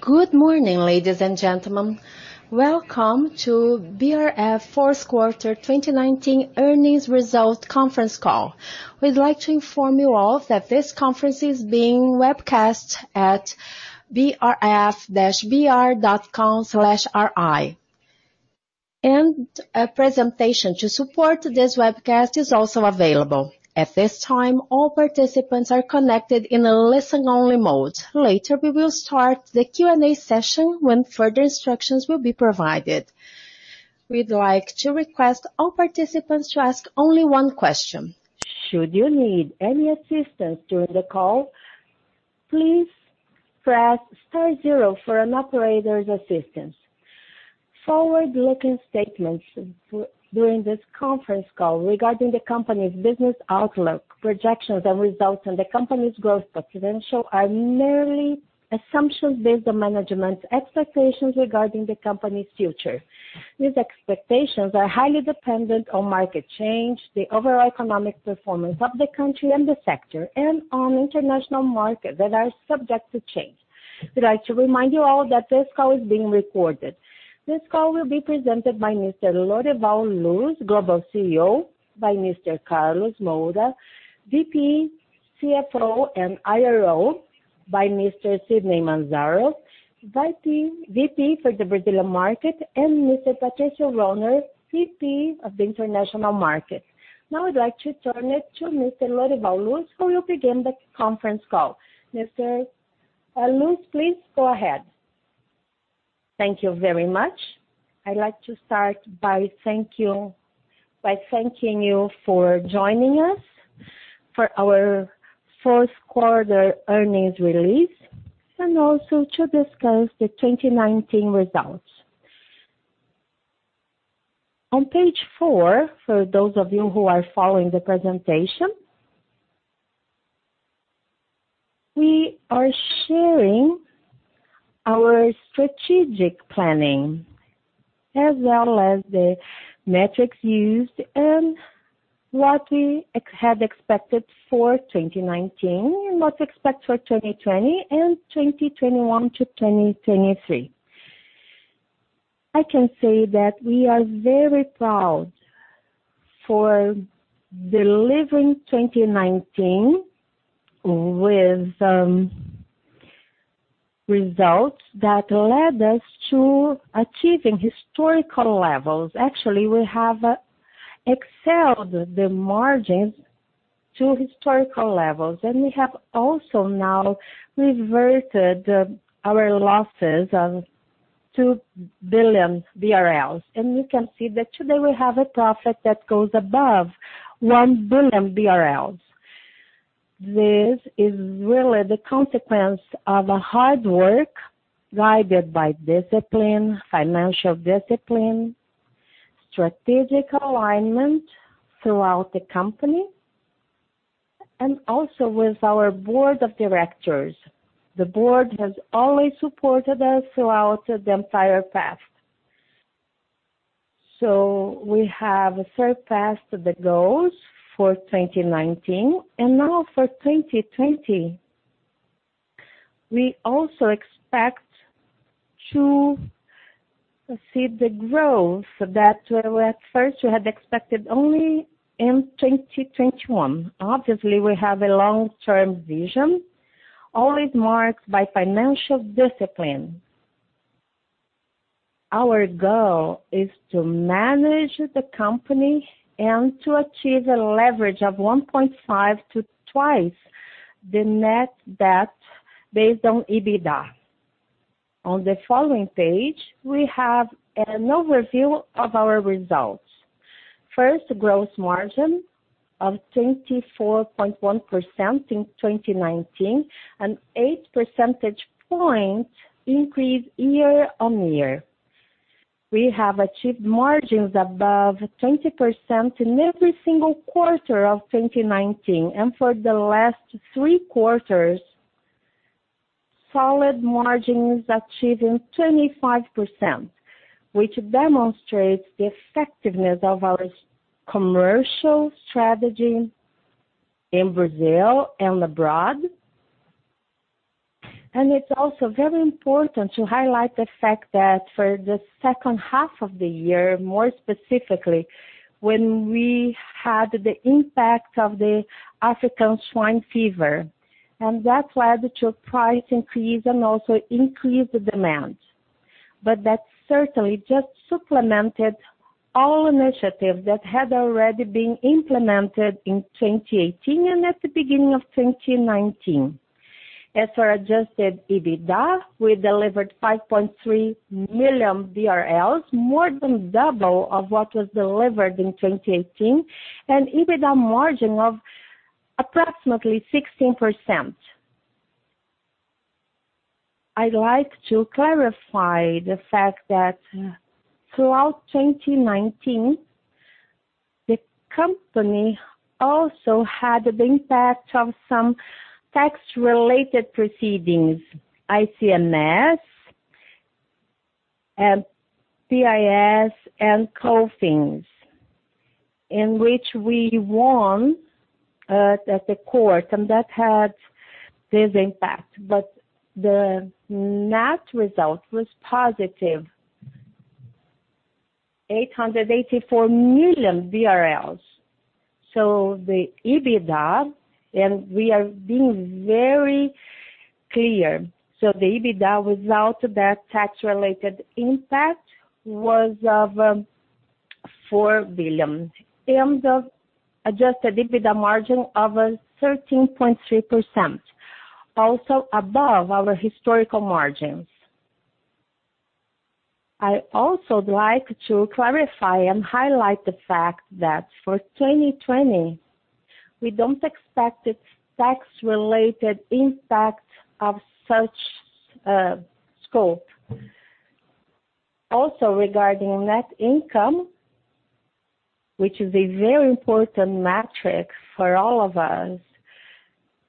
Good morning, ladies and gentlemen. Welcome to BRF fourth quarter 2019 earnings result conference call. We'd like to inform you all that this conference is being webcast at brf-br.com/ri. A presentation to support this webcast is also available. At this time, all participants are connected in a listen-only mode. Later, we will start the Q&A session when further instructions will be provided. We'd like to request all participants to ask only one question. Should you need any assistance during the call, please press star zero for an operator's assistance. Forward-looking statements during this conference call regarding the company's business outlook, projections and results, and the company's growth potential, are merely assumptions based on management's expectations regarding the company's future. These expectations are highly dependent on market change, the overall economic performance of the country and the sector, and on international markets that are subject to change. We'd like to remind you all that this call is being recorded. This call will be presented by Mr. Lorival Luz, Global CEO, by Mr. Carlos Moura, VP, CFO and IRO, by Mr. Sidney Manzaro, VP for the Brazilian market, and Mr. Patricio Rohner, VP of the international market. I'd like to turn it to Mr. Lorival Luz, who will begin the conference call. Mr. Luz, please go ahead. Thank you very much. I'd like to start by thanking you for joining us for our fourth quarter earnings release, and also to discuss the 2019 results. On page four, for those of you who are following the presentation, we are sharing our strategic planning as well as the metrics used and what we had expected for 2019 and what to expect for 2020 and 2021-2023. I can say that we are very proud for delivering 2019 with results that led us to achieving historical levels. Actually, we have excelled the margins to historical levels, and we have also now reverted our losses of 2 billion BRL. You can see that today we have a profit that goes above 1 billion BRL. This is really the consequence of a hard work guided by discipline, financial discipline, strategic alignment throughout the company, and also with our Board of Directors. The Board has always supported us throughout the entire path. We have surpassed the goals for 2019. Now for 2020, we also expect to see the growth that at first we had expected only in 2021. Obviously, we have a long-term vision, always marked by financial discipline. Our goal is to manage the company and to achieve a leverage of 1.5x to twice the net debt based on EBITDA. On the following page, we have an overview of our results. First, gross margin of 24.1% in 2019 and 8 percentage point increase year-on-year. We have achieved margins above 20% in every single quarter of 2019, and for the last three quarters, solid margins achieving 25%, which demonstrates the effectiveness of our commercial strategy in Brazil and abroad. It's also very important to highlight the fact that for the second half of the year, more specifically, when we had the impact of the African swine fever, and that led to a price increase and also increased demand. That certainly just supplemented all initiatives that had already been implemented in 2018 and at the beginning of 2019. As for adjusted EBITDA, we delivered 5.3 million BRL, more than double of what was delivered in 2018, and EBITDA margin of approximately 16%. I'd like to clarify the fact that throughout 2019, the company also had the impact of some tax-related proceedings, ICMS and PIS and COFINS, in which we won at the court, and that had this impact. The net result was +884 million. The EBITDA, and we are being very clear. The EBITDA without that tax-related impact was of 4 billion, in terms of adjusted EBITDA margin of 13.3%, also above our historical margins. I also would like to clarify and highlight the fact that for 2020, we don't expect a tax-related impact of such scope. Also regarding net income, which is a very important metric for all of us.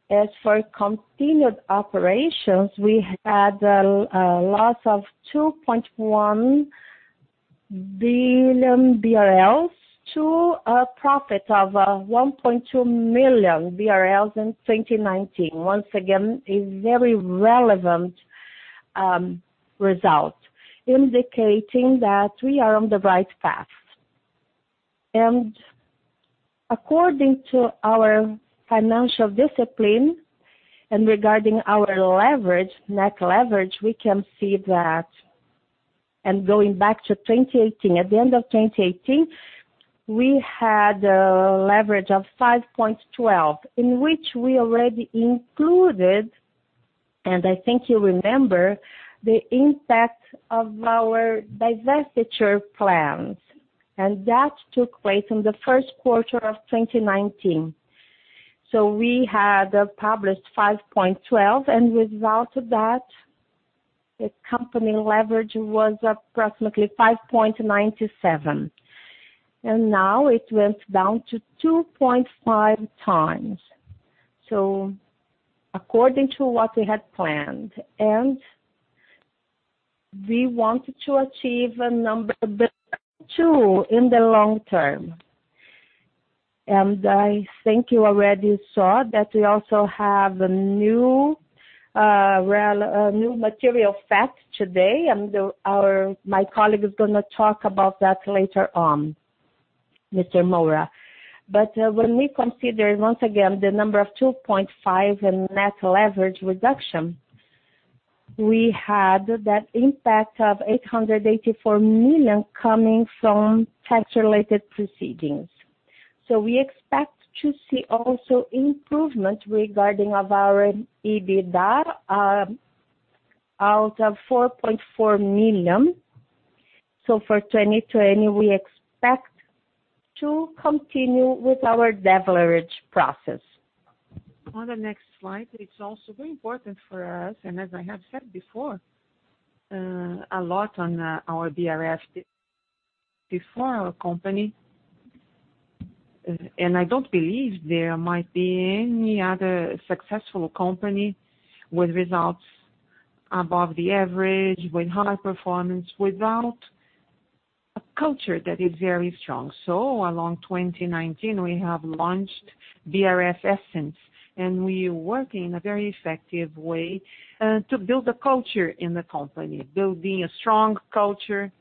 As for continued operations, we had a loss of 2.1 billion BRL to a profit of 1.2 million BRL in 2019. Once again, a very relevant result indicating that we are on the right path. According to our financial discipline and regarding our net leverage, we can see that. Going back to 2018, at the end of 2018, we had a leverage of 5.12x in which we already included, and I think you remember, the impact of our divestiture plans, and that took place in the first quarter of 2019. We had published 5.12x, and without that, the company leverage was approximately 5.97x. Now it went down to 2.5x. According to what we had planned. We want to achieve a number below two in the long term. I think you already saw that we also have a new material fact today, and my colleague is going to talk about that later on, Mr. Moura. When we consider, once again, the number of 2.5x in net leverage reduction, we had that impact of 884 million coming from tax-related proceedings. We expect to see also improvement regarding of our EBITDA of 4.4 million. For 2020, we expect to continue with our deleverage process. On the next slide. It's also very important for us, as I have said before, a lot on our BRF before our company. I don't believe there might be any other successful company with results above the average, with high performance, without a culture that is very strong. Along 2019, we have launched BRF Essence, and we work in a very effective way to build a culture in the company. Building a strong culture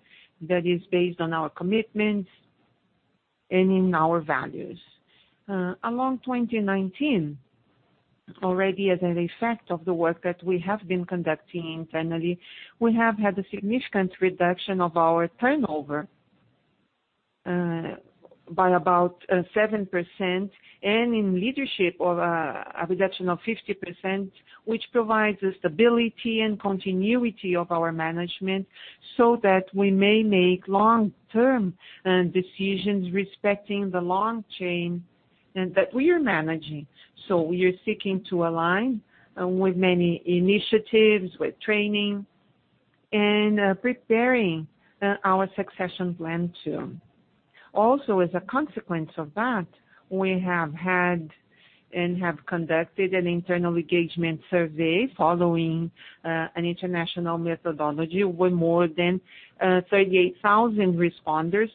that is based on our commitments and in our values. Along 2019, already as an effect of the work that we have been conducting internally, we have had a significant reduction of our turnover by about 7%, and in leadership of a reduction of 50%, which provides a stability and continuity of our management so that we may make long-term decisions respecting the long chain that we are managing. We are seeking to align with many initiatives, with training, and preparing our succession plan too. As a consequence of that, we have had and have conducted an internal engagement survey following an international methodology with more than 38,000 responders,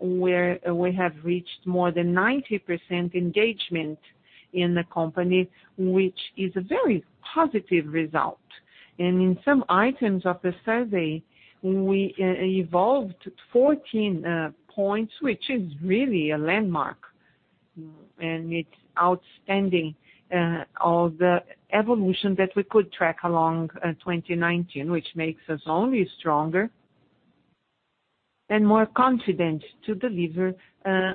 where we have reached more than 90% engagement in the company, which is a very positive result. In some items of the survey, we evolved 14 points, which is really a landmark, and it's outstanding of the evolution that we could track along 2019, which makes us only stronger and more confident to deliver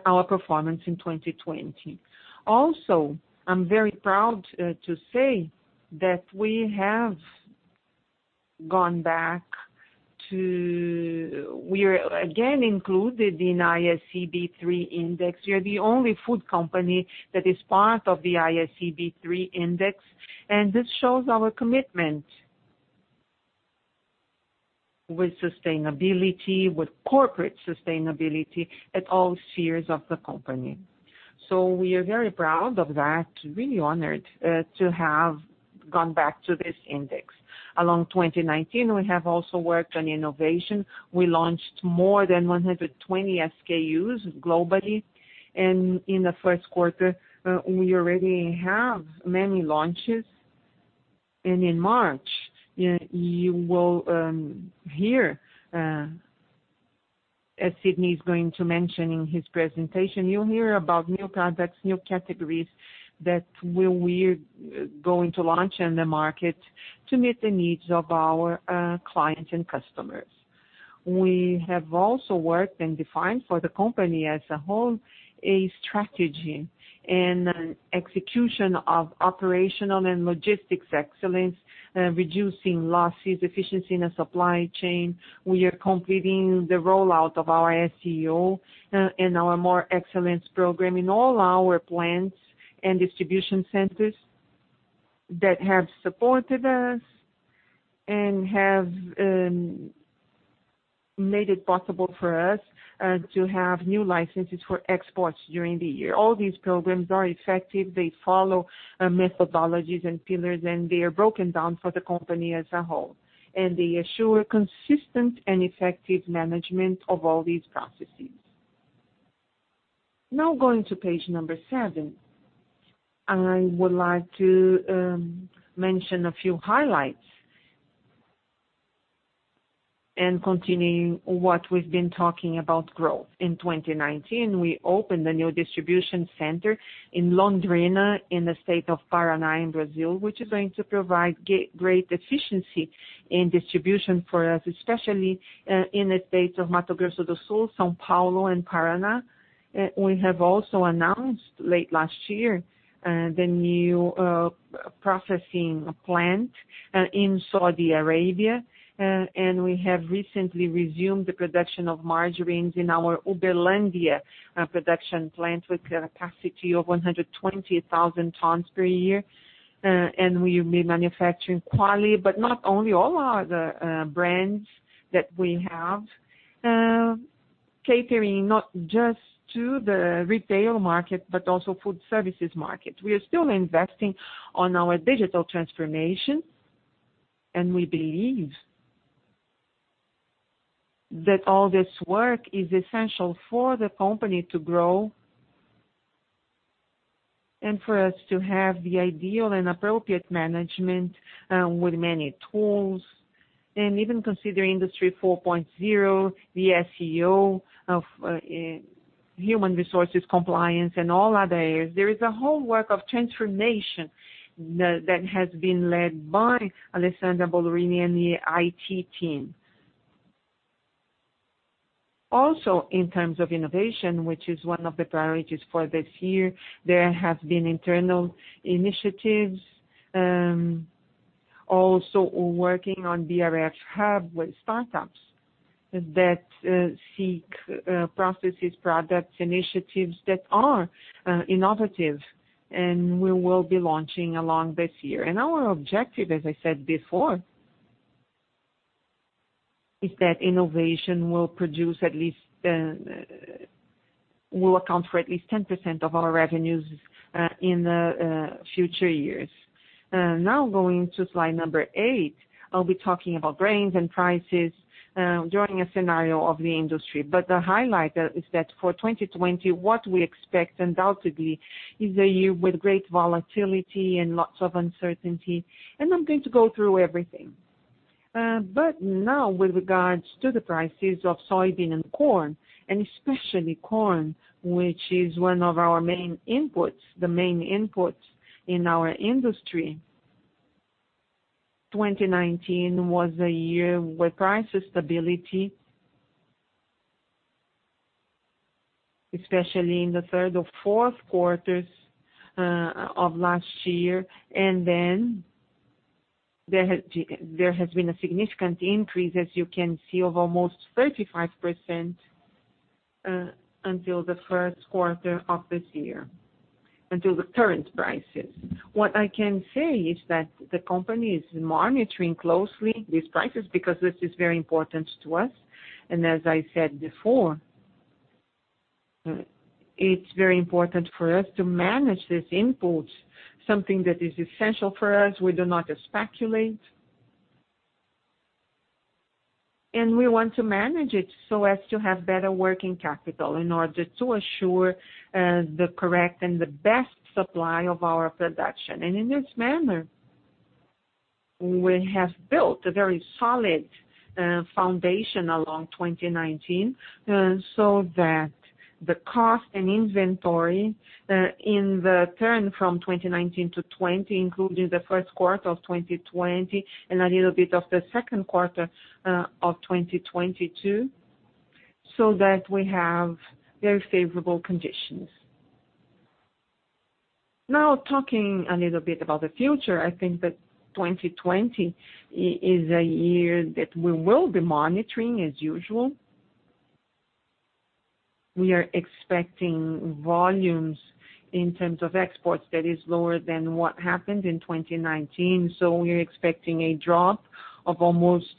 our performance in 2020. I'm very proud to say that we have gone back to. We are again included in ISE B3 index. We are the only food company that is part of the ISE B3 index. This shows our commitment with sustainability, with corporate sustainability at all spheres of the company. We are very proud of that, really honored to have gone back to this index. Along 2019, we have also worked on innovation. We launched more than 120 SKUs globally. In the first quarter, we already have many launches. In March, as Sidney is going to mention in his presentation, you'll hear about new products, new categories that we're going to launch in the market to meet the needs of our clients and customers. We have also worked and defined for the company as a whole, a strategy and an execution of operational and logistics excellence, reducing losses, efficiency in the supply chain. We are completing the rollout of our SEO and our more excellence program in all our plants and distribution centers that have supported us and have made it possible for us to have new licenses for exports during the year. All these programs are effective. They follow methodologies and pillars, and they are broken down for the company as a whole, and they assure consistent and effective management of all these processes. Going to page number seven. I would like to mention a few highlights and continuing what we've been talking about growth. In 2019, we opened a new distribution center in Londrina, in the state of Paraná in Brazil, which is going to provide great efficiency in distribution for us, especially in the states of Mato Grosso do Sul, São Paulo, and Paraná. We have also announced late last year, the new processing plant in Saudi Arabia. We have recently resumed the production of margarines in our Uberlândia production plant with a capacity of 120,000 tons per year. We've been manufacturing Qualy, but not only, all other brands that we have. Catering not just to the retail market, but also food services market. We are still investing on our digital transformation, and we believe that all this work is essential for the company to grow and for us to have the ideal and appropriate management, with many tools. Even considering Industry 4.0, the SEO of human resources compliance and all other areas. There is a whole work of transformation that has been led by Alessandro Bonorino and the IT team. Also in terms of innovation, which is one of the priorities for this year, there have been internal initiatives. Also working on BRF Hub with startups that seek processes, products, initiatives that are innovative, and we will be launching along this year. Our objective, as I said before, is that innovation will account for at least 10% of our revenues in the future years. Now going to slide number eight, I'll be talking about grains and prices during a scenario of the industry. The highlight is that for 2020, what we expect undoubtedly, is a year with great volatility and lots of uncertainty, and I'm going to go through everything. Now with regards to the prices of soybean and corn, and especially corn, which is one of our main inputs, the main inputs in our industry. 2019 was a year with price stability, especially in the third or fourth quarters of last year. There has been a significant increase, as you can see, of almost 35% until the first quarter of this year, until the current prices. What I can say is that the company is monitoring closely these prices because this is very important to us. As I said before, it's very important for us to manage these inputs, something that is essential for us. We do not speculate, and we want to manage it so as to have better working capital in order to assure the correct and the best supply of our production. In this manner, we have built a very solid foundation along 2019, so that the cost and inventory in the turn from 2019-2020, including the first quarter of 2020 and a little bit of the second quarter of 2022, so that we have very favorable conditions. Talking a little bit about the future, I think that 2020 is a year that we will be monitoring as usual. We are expecting volumes in terms of exports that is lower than what happened in 2019. We are expecting a drop of almost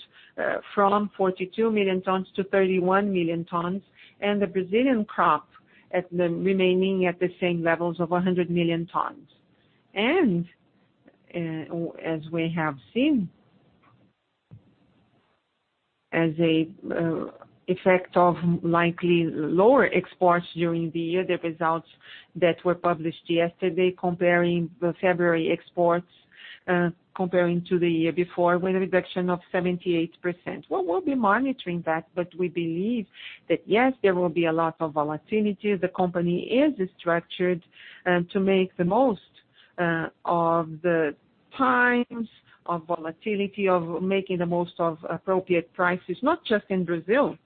from 42 million tons to 31 million tons, and the Brazilian crop remaining at the same levels of 100 million tons. As we have seen, as an effect of likely lower exports during the year, the results that were published yesterday comparing the February exports to the year before, with a reduction of 78%. Well, we'll be monitoring that, we believe that, yes, there will be a lot of volatility. The company is structured to make the most of the times of volatility, of making the most of appropriate prices, not just in Brazil,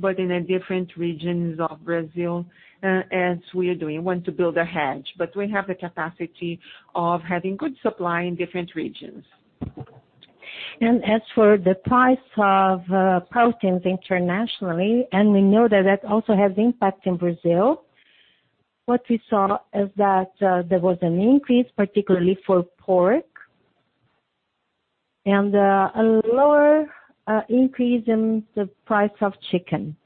but in the different regions of Brazil as we are doing. We want to build a hedge. We have the capacity of having good supply in different regions. As for the price of proteins internationally, and we know that that also has impact in Brazil. What we saw is that there was an increase, particularly for pork, and a lower increase in the price of chicken.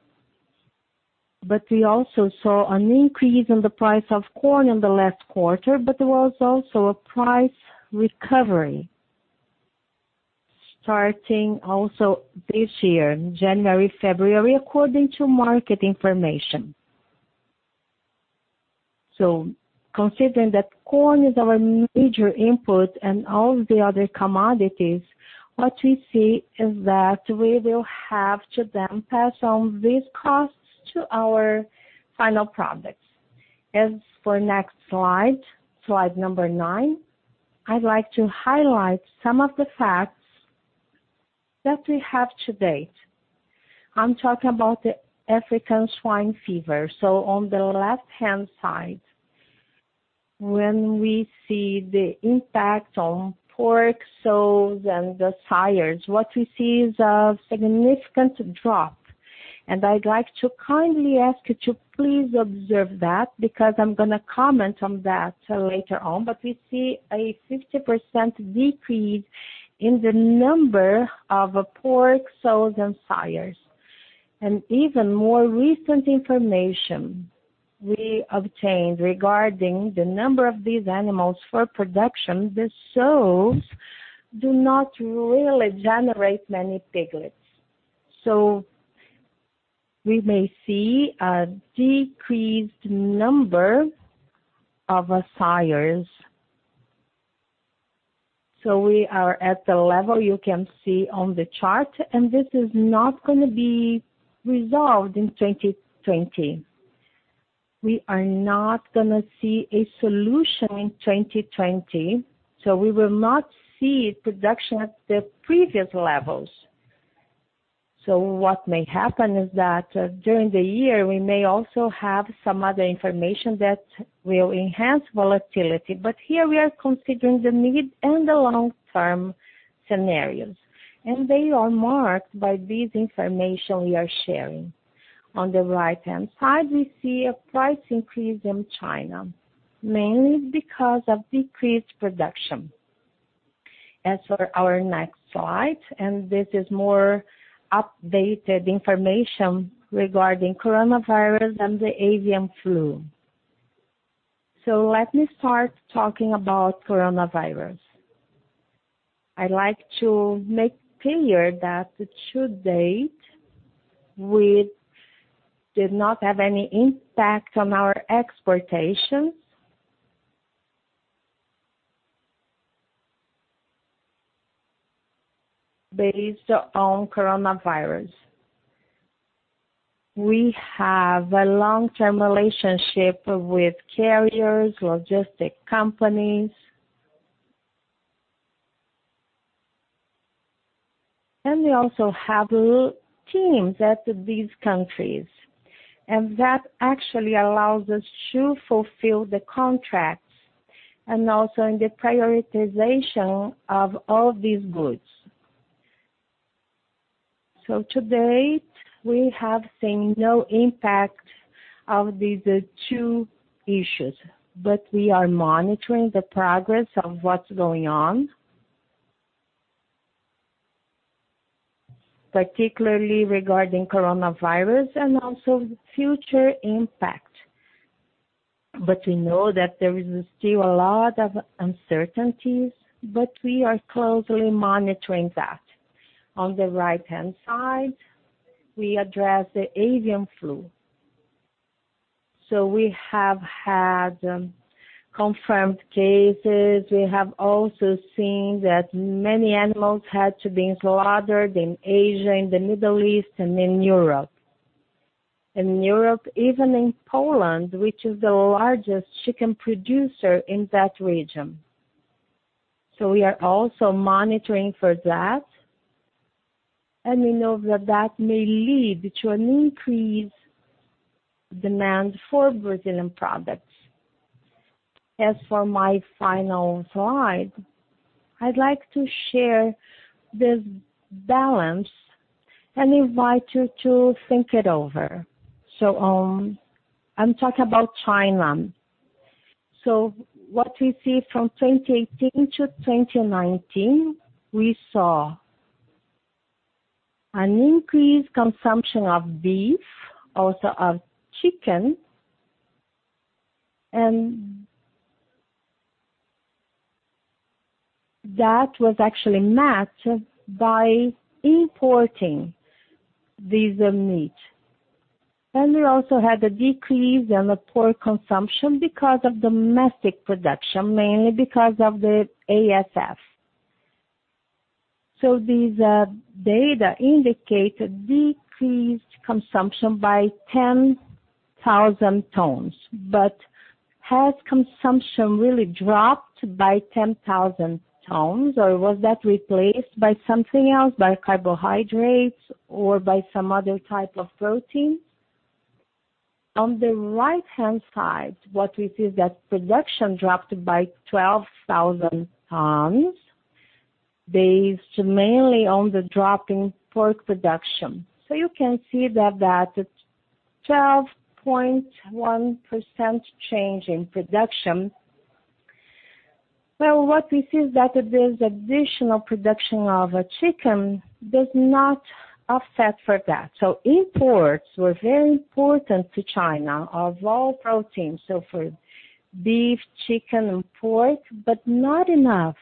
We also saw an increase in the price of corn in the last quarter, but there was also a price recovery starting also this year, January, February, according to market information. Considering that corn is our major input and all the other commodities, what we see is that we will have to then pass on these costs to our final products. As for next slide number nine, I'd like to highlight some of the facts that we have to date. I'm talking about the African swine fever. On the left-hand side, when we see the impact on pork, sows, and the sires, what we see is a significant drop. I'd like to kindly ask you to please observe that, because I'm going to comment on that later on. We see a 50% decrease in the number of pork, sows, and sires. Even more recent information we obtained regarding the number of these animals for production, the sows do not really generate many piglets. We may see a decreased number of sires. We are at the level you can see on the chart, and this is not going to be resolved in 2020. We are not going to see a solution in 2020, so we will not see production at the previous levels. What may happen is that during the year, we may also have some other information that will enhance volatility. Here we are considering the mid and the long-term scenarios, and they are marked by this information we are sharing. On the right-hand side, we see a price increase in China, mainly because of decreased production. As for our next slide, this is more updated information regarding coronavirus and the avian flu. Let me start talking about coronavirus. I'd like to make clear that to date, we did not have any impact on our exportations based on coronavirus. We have a long-term relationship with carriers, logistic companies. We also have teams at these countries. That actually allows us to fulfill the contracts and also in the prioritization of all these goods. To date, we have seen no impact of these two issues. We are monitoring the progress of what's going on, particularly regarding coronavirus and also the future impact. We know that there is still a lot of uncertainties. We are closely monitoring that. On the right-hand side, we address the avian flu. We have had confirmed cases. We have also seen that many animals had to be slaughtered in Asia, in the Middle East, and in Europe. In Europe, even in Poland, which is the largest chicken producer in that region. We are also monitoring for that, and we know that that may lead to an increased demand for Brazilian products. As for my final slide, I'd like to share this balance and invite you to think it over. I'm talking about China. What we see from 2018-2019? We saw an increased consumption of beef, also of chicken. That was actually matched by importing these meat. We also had a decrease in the pork consumption because of domestic production, mainly because of the ASF. These data indicate a decreased consumption by 10,000 tons. Has consumption really dropped by 10,000 tons, or was that replaced by something else, by carbohydrates or by some other type of protein? On the right-hand side, what we see is that production dropped by 12,000 tons based mainly on the drop in pork production. You can see that 12.1% change in production. Well, what we see is that this additional production of chicken does not offset for that. Imports were very important to China of all proteins. For beef, chicken, and pork, but not enough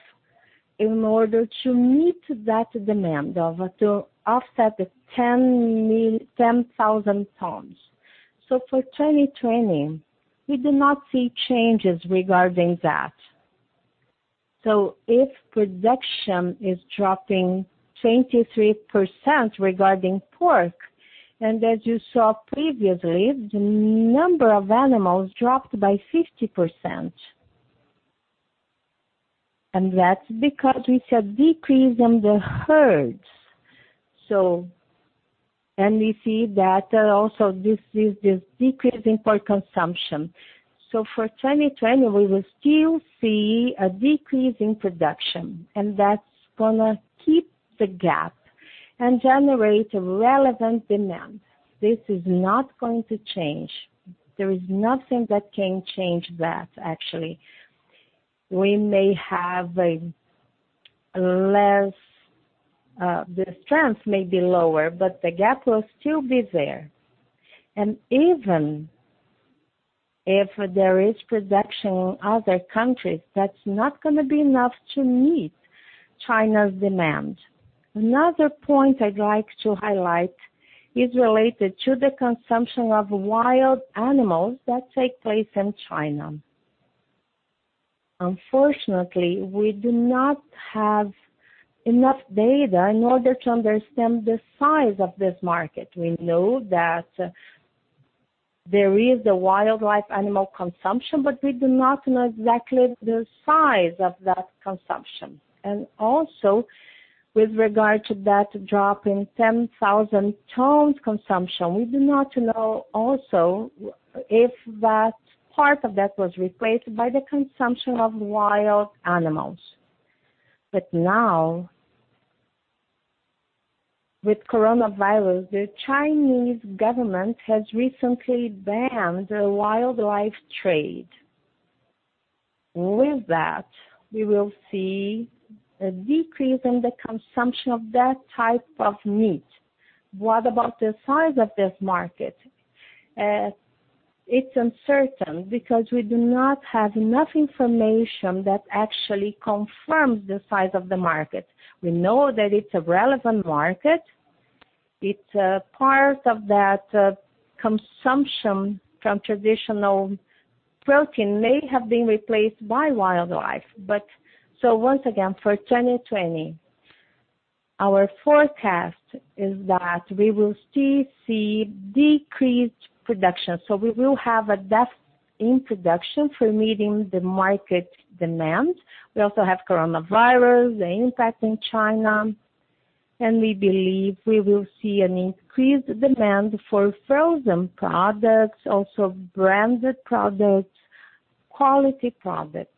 in order to meet that demand of to offset the 10,000 tons. For 2020, we do not see changes regarding that. If production is dropping 23% regarding pork, and as you saw previously, the number of animals dropped by 50%. And that's because we have decrease in the herds. We see that also this decrease in pork consumption. For 2020, we will still see a decrease in production and that's going to keep the gap and generate a relevant demand. This is not going to change. There is nothing that can change that, actually. The strength may be lower, the gap will still be there. Even if there is production in other countries, that's not going to be enough to meet China's demand. Another point I'd like to highlight is related to the consumption of wild animals that take place in China. Unfortunately, we do not have enough data in order to understand the size of this market. We know that there is the wildlife animal consumption, we do not know exactly the size of that consumption. Also with regard to that drop in 10,000 tons consumption, we do not know also if that part of that was replaced by the consumption of wild animals. Now with coronavirus, the Chinese government has recently banned the wildlife trade. With that, we will see a decrease in the consumption of that type of meat. What about the size of this market? It's uncertain because we do not have enough information that actually confirms the size of the market. We know that it's a relevant market. It's a part of that consumption from traditional protein may have been replaced by wildlife. Once again, for 2020, our forecast is that we will still see decreased production. We will have a depth in production for meeting the market demand. We also have coronavirus, the impact in China, and we believe we will see an increased demand for frozen products, also branded products, quality products.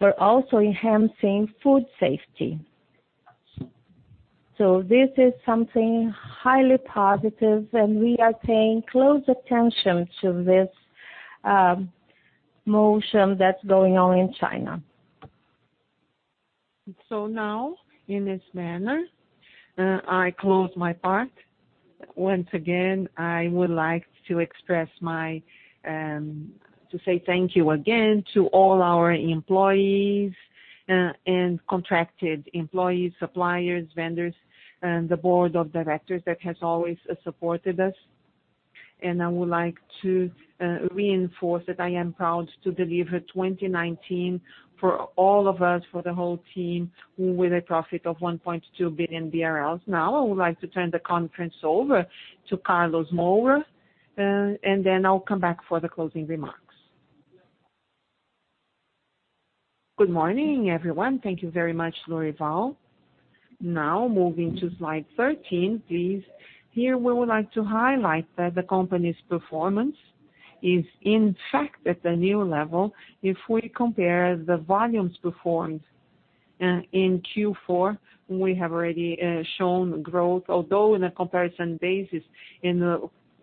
We're also enhancing food safety. This is something highly positive and we are paying close attention to this motion that's going on in China. Now in this manner, I close my part. Once again, I would like to say thank you again to all our employees, and contracted employees, suppliers, vendors, and the Board of Directors that has always supported us. I would like to reinforce that I am proud to deliver 2019 for all of us, for the whole team with a profit of 1.2 billion BRL. Now I would like to turn the conference over to Carlos Moura and then I'll come back for the closing remarks. Good morning, everyone. Thank you very much, Lorival. Moving to slide 13, please. Here we would like to highlight that the company's performance is in fact at a new level. If we compare the volumes performed in Q4, we have already shown growth, although in a comparison basis in the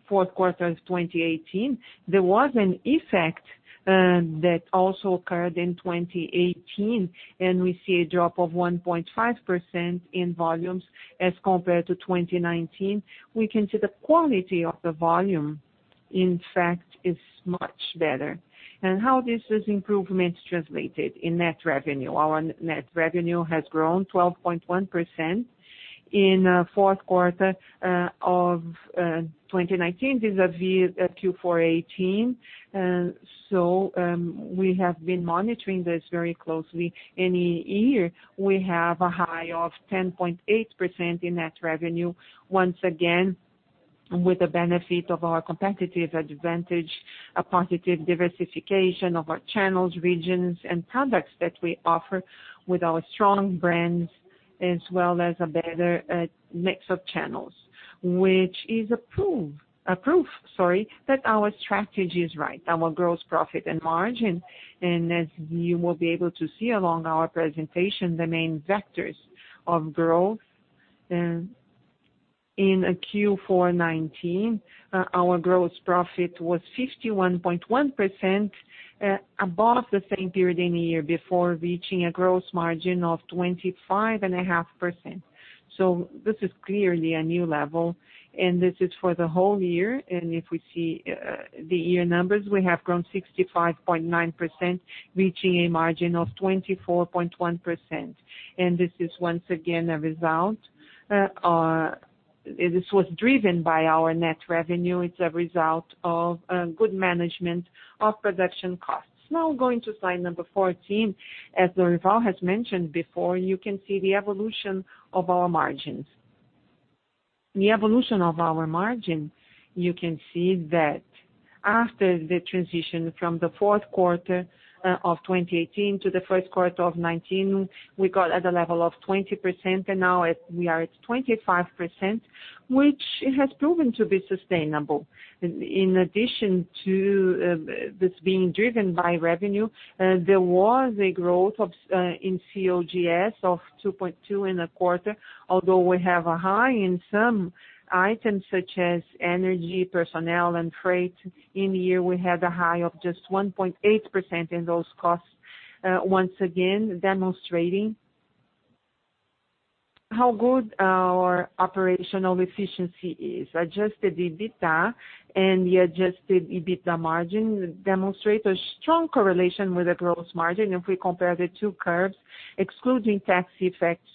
fourth quarter of 2018, there was an effect that also occurred in 2018, and we see a drop of 1.5% in volumes as compared to 2019. We can see the quality of the volume, in fact, is much better. How this improvement is translated in net revenue? Our net revenue has grown 12.1% in fourth quarter of 2019 vis-a-vis Q4 2018. We have been monitoring this very closely. In a year, we have a high of 10.8% in net revenue, once again, with the benefit of our competitive advantage, a positive diversification of our channels, regions, and products that we offer with our strong brands, as well as a better mix of channels, which is a proof that our strategy is right, our gross profit and margin. As you will be able to see along our presentation, the main vectors of growth in a Q4 2019, our gross profit was 51.1% above the same period in the year before reaching a gross margin of 25.5%. This is clearly a new level, and this is for the whole year. If we see the year numbers, we have grown 65.9%, reaching a margin of 24.1%. This is once again a result. This was driven by our net revenue. It's a result of good management of production costs. Now going to slide number 14. As Lorival has mentioned before, you can see the evolution of our margins. The evolution of our margin, you can see that after the transition from the fourth quarter of 2018 to the first quarter of 2019, we got at a level of 20%, and now we are at 25%, which has proven to be sustainable. In addition to this being driven by revenue, there was a growth in COGS of 2.2% in a quarter. Although we have a high in some items such as energy, personnel, and freight. In the year, we had a high of just 1.8% in those costs, once again demonstrating how good our operational efficiency is. Adjusted EBITDA and the adjusted EBITDA margin demonstrate a strong correlation with the gross margin if we compare the two curves, excluding tax effects.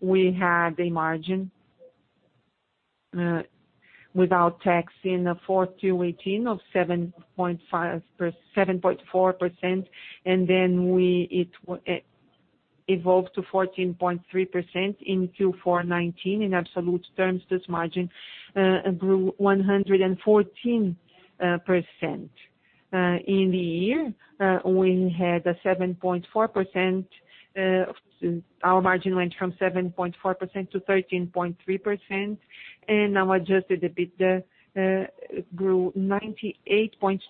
We had a margin without tax in the fourth Q 2018 of 7.4%, and then it evolved to 14.3% in Q4 2019. In absolute terms, this margin grew 114%. In the year our margin went from 7.4%-13.3%, and our adjusted EBITDA grew 98.2%.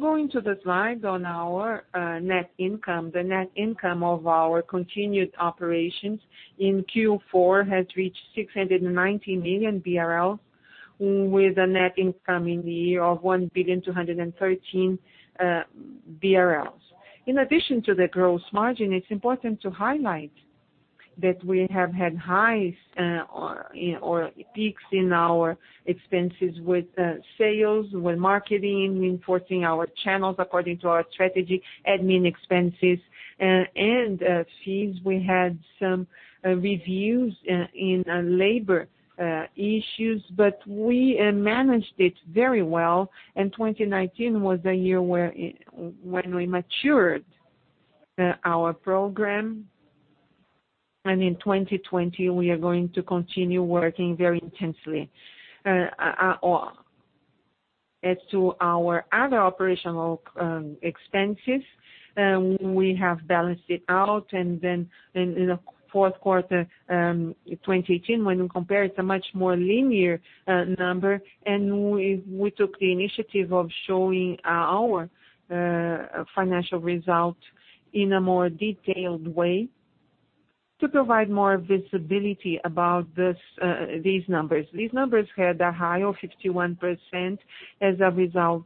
Going to the slide on our net income. The net income of our continued operations in Q4 has reached 690 million BRL, with a net income in the year of 1.213 billion. In addition to the gross margin, it's important to highlight that we have had highs or peaks in our expenses with sales, with marketing, reinforcing our channels according to our strategy, admin expenses, and fees. We had some reviews in labor issues. We managed it very well, and 2019 was a year when we matured our program. In 2020, we are going to continue working very intensely. Our other operational expenses, we have balanced it out. In the fourth quarter 2018, when you compare, it's a much more linear number. We took the initiative of showing our financial result in a more detailed way to provide more visibility about these numbers. These numbers had a high of 51% as a result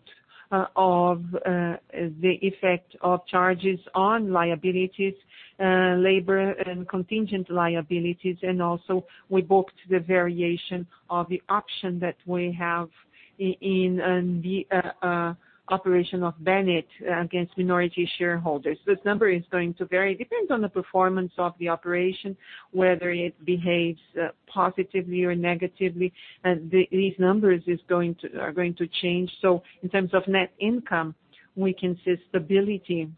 of the effect of charges on liabilities, labor and contingent liabilities, and also we booked the variation of the option that we have in the operation of Banvit against minority shareholders. This number is going to vary. It depends on the performance of the operation, whether it behaves positively or negatively. These numbers are going to change. In terms of net income, we can see stability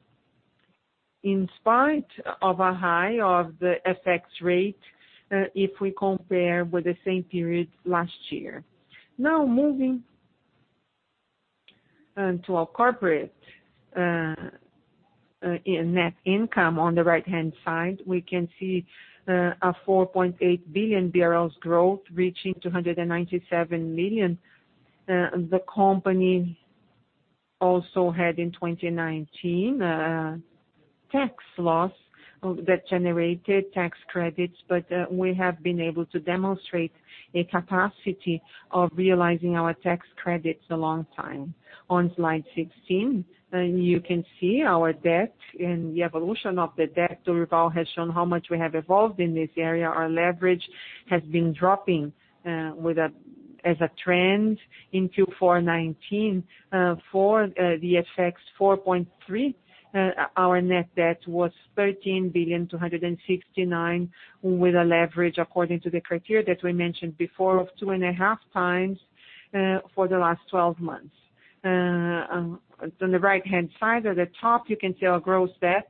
in spite of a high of the FX rate, if we compare with the same period last year. Now moving to our corporate net income on the right-hand side, we can see a 4.8 billion growth reaching 297 million. The company also had in 2019 a tax loss that generated tax credits, but we have been able to demonstrate a capacity of realizing our tax credits a long time. On slide 16, you can see our debt and the evolution of the debt. Lorival has shown how much we have evolved in this area. Our leverage has been dropping as a trend into Q4 2019. For the FX 4.3, our net debt was 13.269 billion with a leverage according to the criteria that we mentioned before of 2.5x for the last 12 months. On the right-hand side at the top, you can see our gross debt.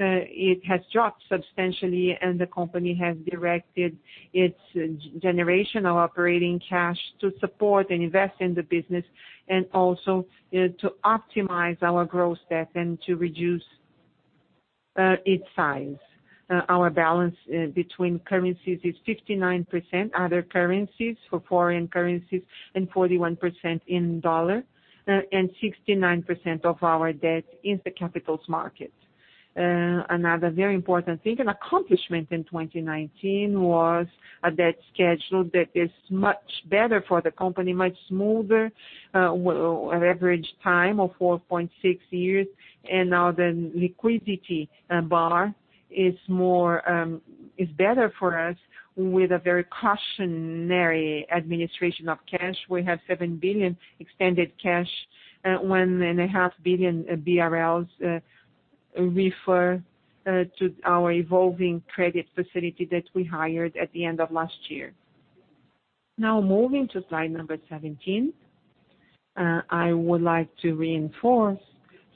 It has dropped substantially. The company has directed its generational operating cash to support and invest in the business and also to optimize our gross debt and to reduce its size. Our balance between currencies is 59%, other currencies for foreign currencies and 41% in dollar, and 69% of our debt is the capital markets. Another very important thing, an accomplishment in 2019 was a debt schedule that is much better for the company, much smoother, with an average time of 4.6 years. Now the liquidity bar is better for us with a very cautionary administration of cash. We have 7 billion extended cash, 1.5 billion BRL refer to our evolving credit facility that we hired at the end of last year. Now moving to slide number 17. I would like to reinforce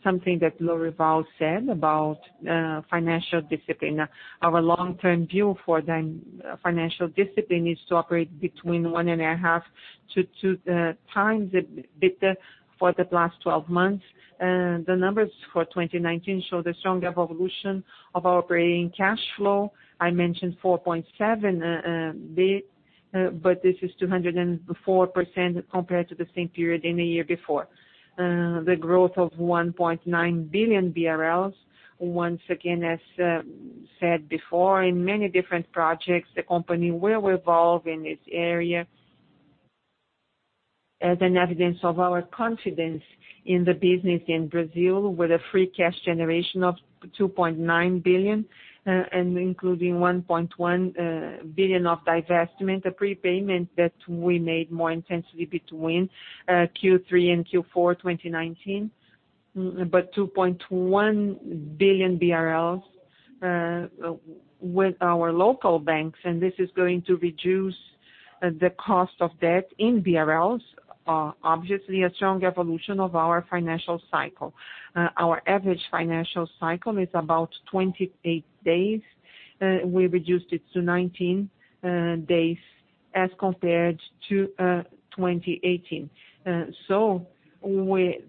something that Lorival said about financial discipline. Our long-term view for the financial discipline is to operate between 1.5x-2x EBITDA for the last 12 months. The numbers for 2019 show the strong evolution of operating cash flow. I mentioned 4.7 billion, this is 204% compared to the same period in the year before. The growth of 1.9 billion BRL, once again, as said before, in many different projects, the company will evolve in this area as an evidence of our confidence in the business in Brazil with a free cash generation of 2.9 billion, including 1.1 billion of divestment, a prepayment that we made more intensely between Q3 and Q4 2019. 2.1 billion BRL with our local banks, this is going to reduce the cost of debt in BRL. Obviously, a strong evolution of our financial cycle. Our average financial cycle is about 28 days. We reduced it to 19 days as compared to 2018.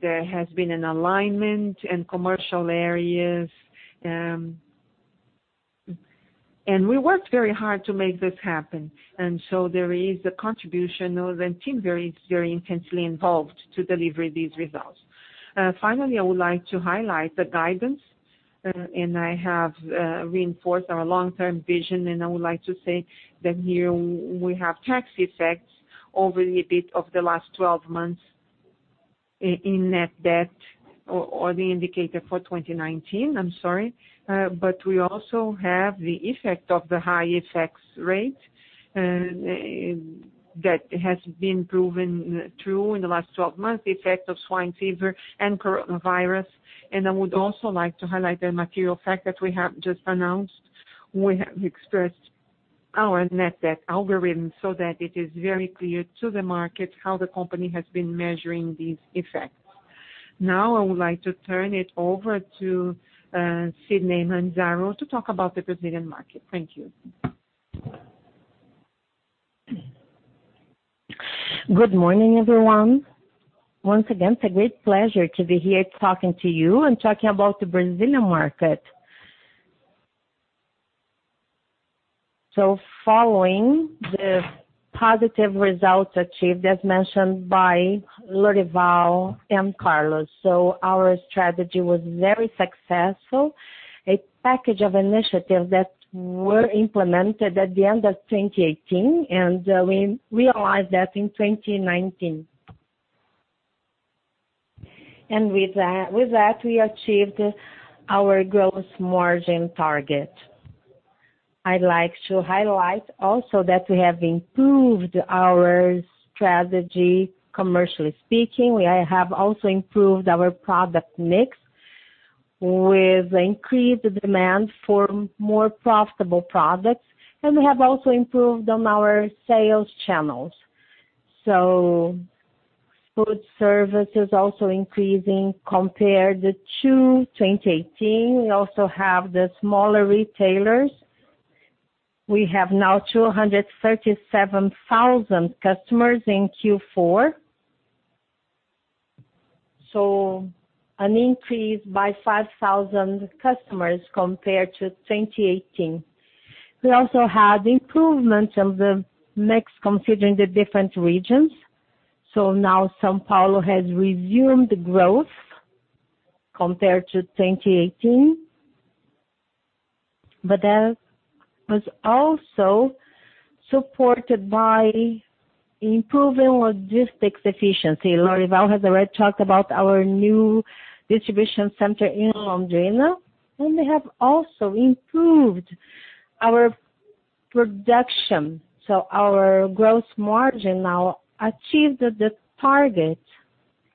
There has been an alignment in commercial areas. We worked very hard to make this happen. There is a contribution of the team very intensely involved to deliver these results. Finally, I would like to highlight the guidance, and I have reinforced our long-term vision, and I would like to say that here we have tax effects over the EBIT of the last 12 months in net debt or the indicator for 2019. I'm sorry. We also have the effect of the high FX rate that has been proven true in the last 12 months, the effect of swine fever and coronavirus. I would also like to highlight the material fact that we have just announced. We have expressed our net debt algorithm so that it is very clear to the market how the company has been measuring these effects. Now, I would like to turn it over to Sidney Manzaro to talk about the Brazilian market. Thank you. Good morning, everyone. Once again, it's a great pleasure to be here talking to you and talking about the Brazilian market. Following the positive results achieved, as mentioned by Lorival and Carlos. Our strategy was very successful. A package of initiatives that were implemented at the end of 2018, and we realized that in 2019. With that we achieved our gross margin target. I'd like to highlight also that we have improved our strategy commercially speaking. We have also improved our product mix with increased demand for more profitable products, and we have also improved on our sales channels. Food service is also increasing compared to 2018. We also have the smaller retailers. We have now 237,000 customers in Q4. An increase by 5,000 customers compared to 2018. We also had improvements of the mix considering the different regions. Now São Paulo has resumed growth compared to 2018. That was also supported by improving logistics efficiency. Lorival has already talked about our new distribution center in Londrina, and we have also improved our production. Our gross margin now achieved the target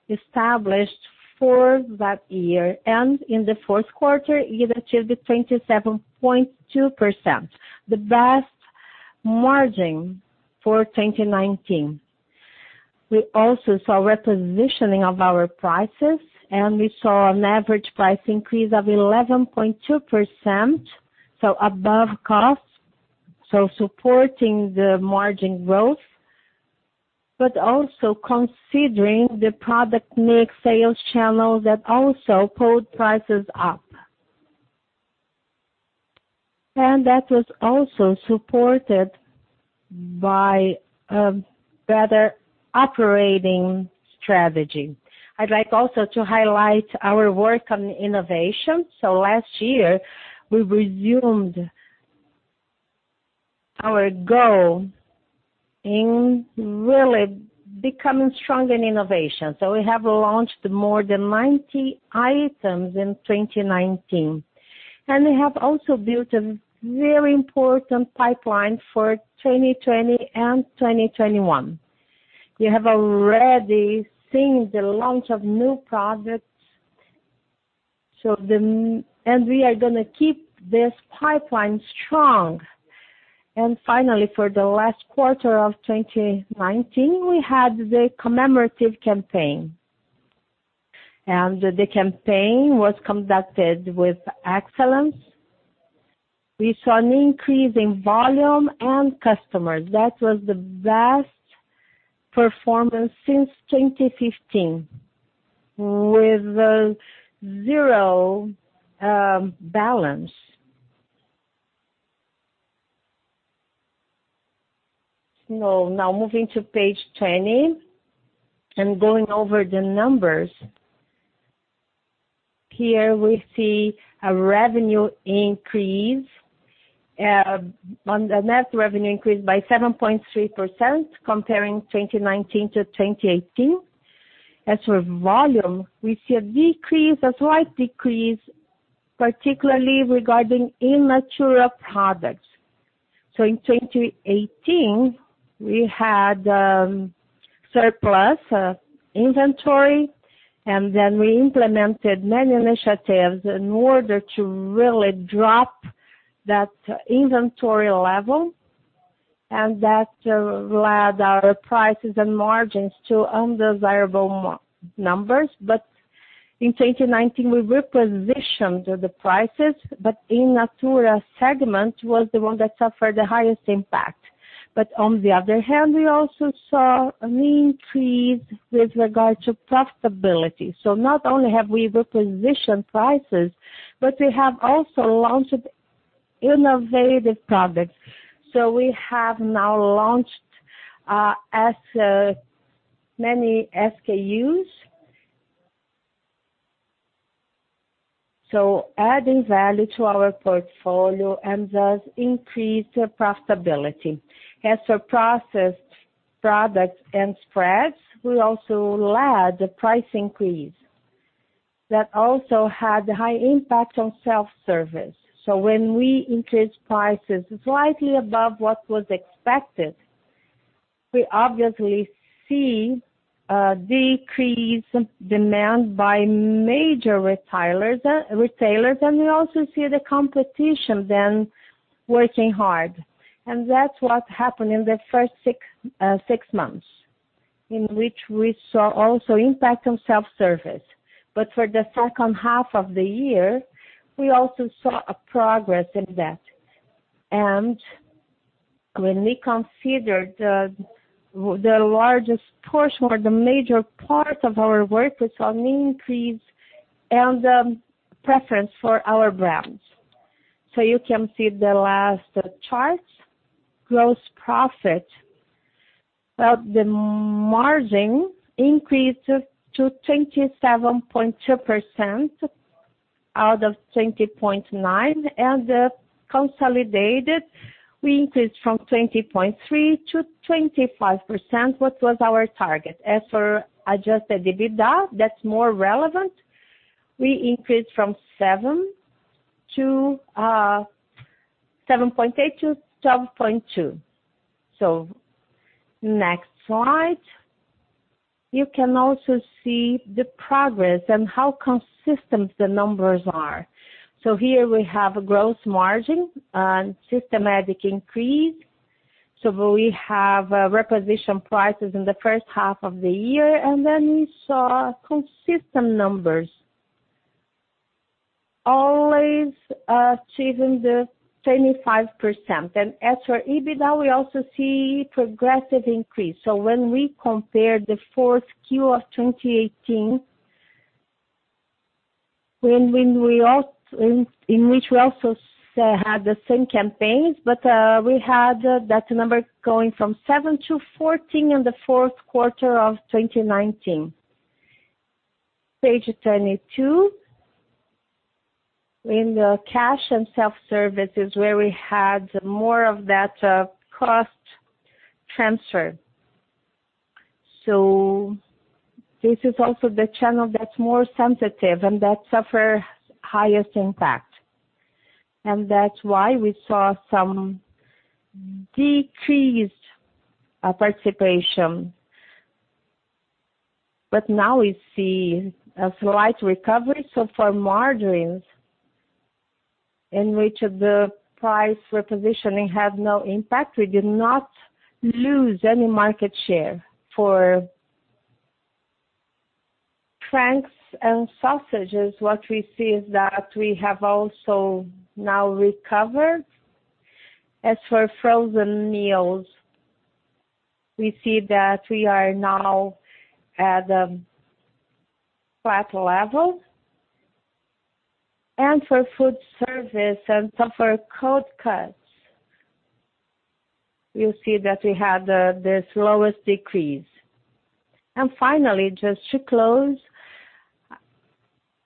established for that year. In the fourth quarter, it achieved 27.2%, the best margin for 2019. We also saw repositioning of our prices, and we saw an average price increase of 11.2%, above cost, supporting the margin growth, but also considering the product mix sales channel that also pulled prices up. That was also supported by a better operating strategy. I'd like also to highlight our work on innovation. Last year, we resumed our goal in really becoming strong in innovation. We have launched more than 90 items in 2019, and we have also built a very important pipeline for 2020 and 2021. We have already seen the launch of new products, and we are going to keep this pipeline strong. Finally, for the last quarter of 2019, we had the commemorative campaign. The campaign was conducted with excellence. We saw an increase in volume and customers. That was the best performance since 2015, with zero balance. Now moving to page 20 and going over the numbers. Here we see a revenue increase by 7.3%, comparing 2019 to 2018. As for volume, we see a slight decrease, particularly regarding In Natura products. In 2018, we had surplus inventory, and then we implemented many initiatives in order to really drop that inventory level, and that led our prices and margins to undesirable numbers. In 2019, we repositioned the prices, In Natura segment was the one that suffered the highest impact. On the other hand, we also saw an increase with regard to profitability. Not only have we repositioned prices, but we have also launched innovative products. We have now launched many SKUs, adding value to our portfolio and thus increase profitability. As for processed products and spreads, we also led the price increase. That also had high impact on self-service. When we increase prices slightly above what was expected, we obviously see a decrease in demand by major retailers, and we also see the competition then working hard. That's what happened in the first six months, in which we saw also impact on self-service. For the second half of the year, we also saw a progress in that. When we considered the largest portion or the major part of our work was on increase and the preference for our brands. You can see the last chart, gross profit. The margin increased to 27.2% out of 20.9%, and consolidated, we increased from 20.3%-25%, what was our target. As for adjusted EBITDA, that's more relevant, we increased from 7.8%-12.2%. Next slide. You can also see the progress and how consistent the numbers are. Here we have gross margin and systematic increase. We have repositioned prices in the first half of the year, and then we saw consistent numbers always achieving the 25%. As for EBITDA, we also see progressive increase. When we compare the fourth Q of 2018, when we also had the same campaigns, but we had that number going from 7%-14% in the fourth quarter of 2019. Page 22. In the cash and self-service is where we had more of that cost transfer. This is also the channel that's more sensitive and that suffer highest impact. That's why we saw some decreased participation. Now we see a slight recovery. For margarines, in which the price repositioning have no impact, we did not lose any market share. For franks and sausages, what we see is that we have also now recovered. As for frozen meals, we see that we are now at a flat level. For food service and cold cuts, you'll see that we had the slowest decrease. Finally, just to close,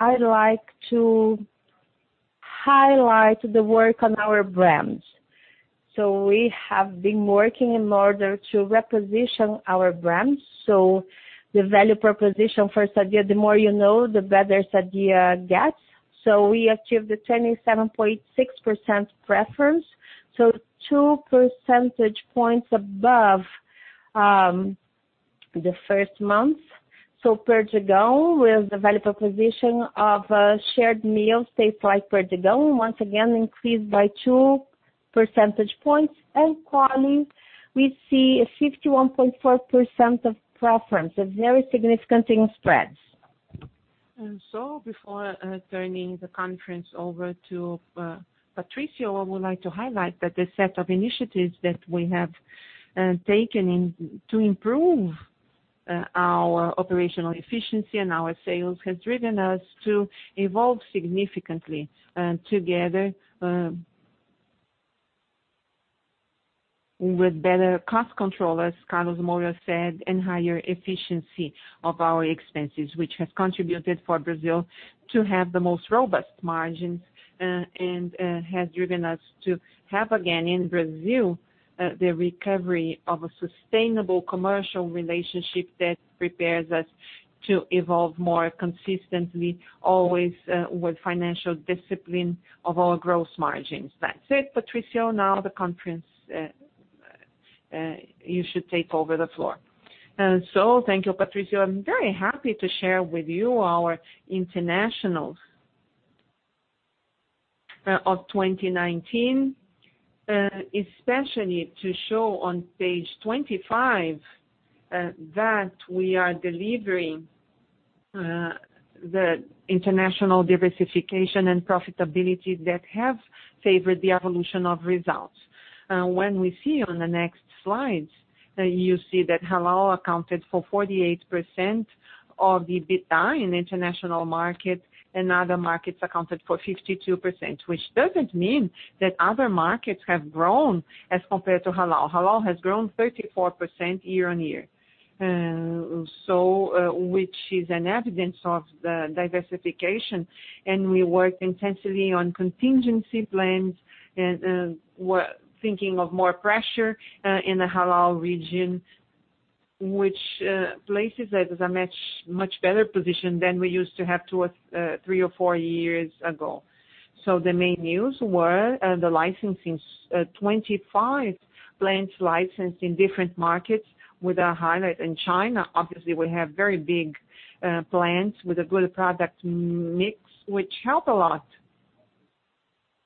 I'd like to highlight the work on our brands. We have been working in order to reposition our brands. The value proposition for Sadia, the more you know, the better Sadia gets. We achieved the 27.6% preference, 2 percentage points above the first month. Perdigão with the value proposition of a shared meal, taste like Perdigão, once again increased by 2 percentage points. Qualy, we see a 51.4% of preference, a very significant spreads. Before turning the conference over to Patricio, I would like to highlight that the set of initiatives that we have taken to improve our operational efficiency and our sales has driven us to evolve significantly together with better cost control, as Carlos Moura said, and higher efficiency of our expenses, which has contributed for Brazil to have the most robust margins and has driven us to have again in Brazil the recovery of a sustainable commercial relationship that prepares us to evolve more consistently, always with financial discipline of our gross margins. That's it. Patricio, now You should take over the floor. Thank you, Patricio. I'm very happy to share with you our internationals of 2019, especially to show on page 25 that we are delivering the international diversification and profitability that have favored the evolution of results. When we see on the next slides, you see that Halal accounted for 48% of the EBITDA in international markets and other markets accounted for 52%, which doesn't mean that other markets have grown as compared to Halal. Halal has grown 34% year-on-year. Which is an evidence of the diversification, and we work intensively on contingency plans and we're thinking of more pressure in the Halal region, which places us as a much better position than we used to have two or three or four years ago. The main news were the licensing, 25 plants licensed in different markets with a highlight in China. Obviously, we have very big plants with a good product mix, which help a lot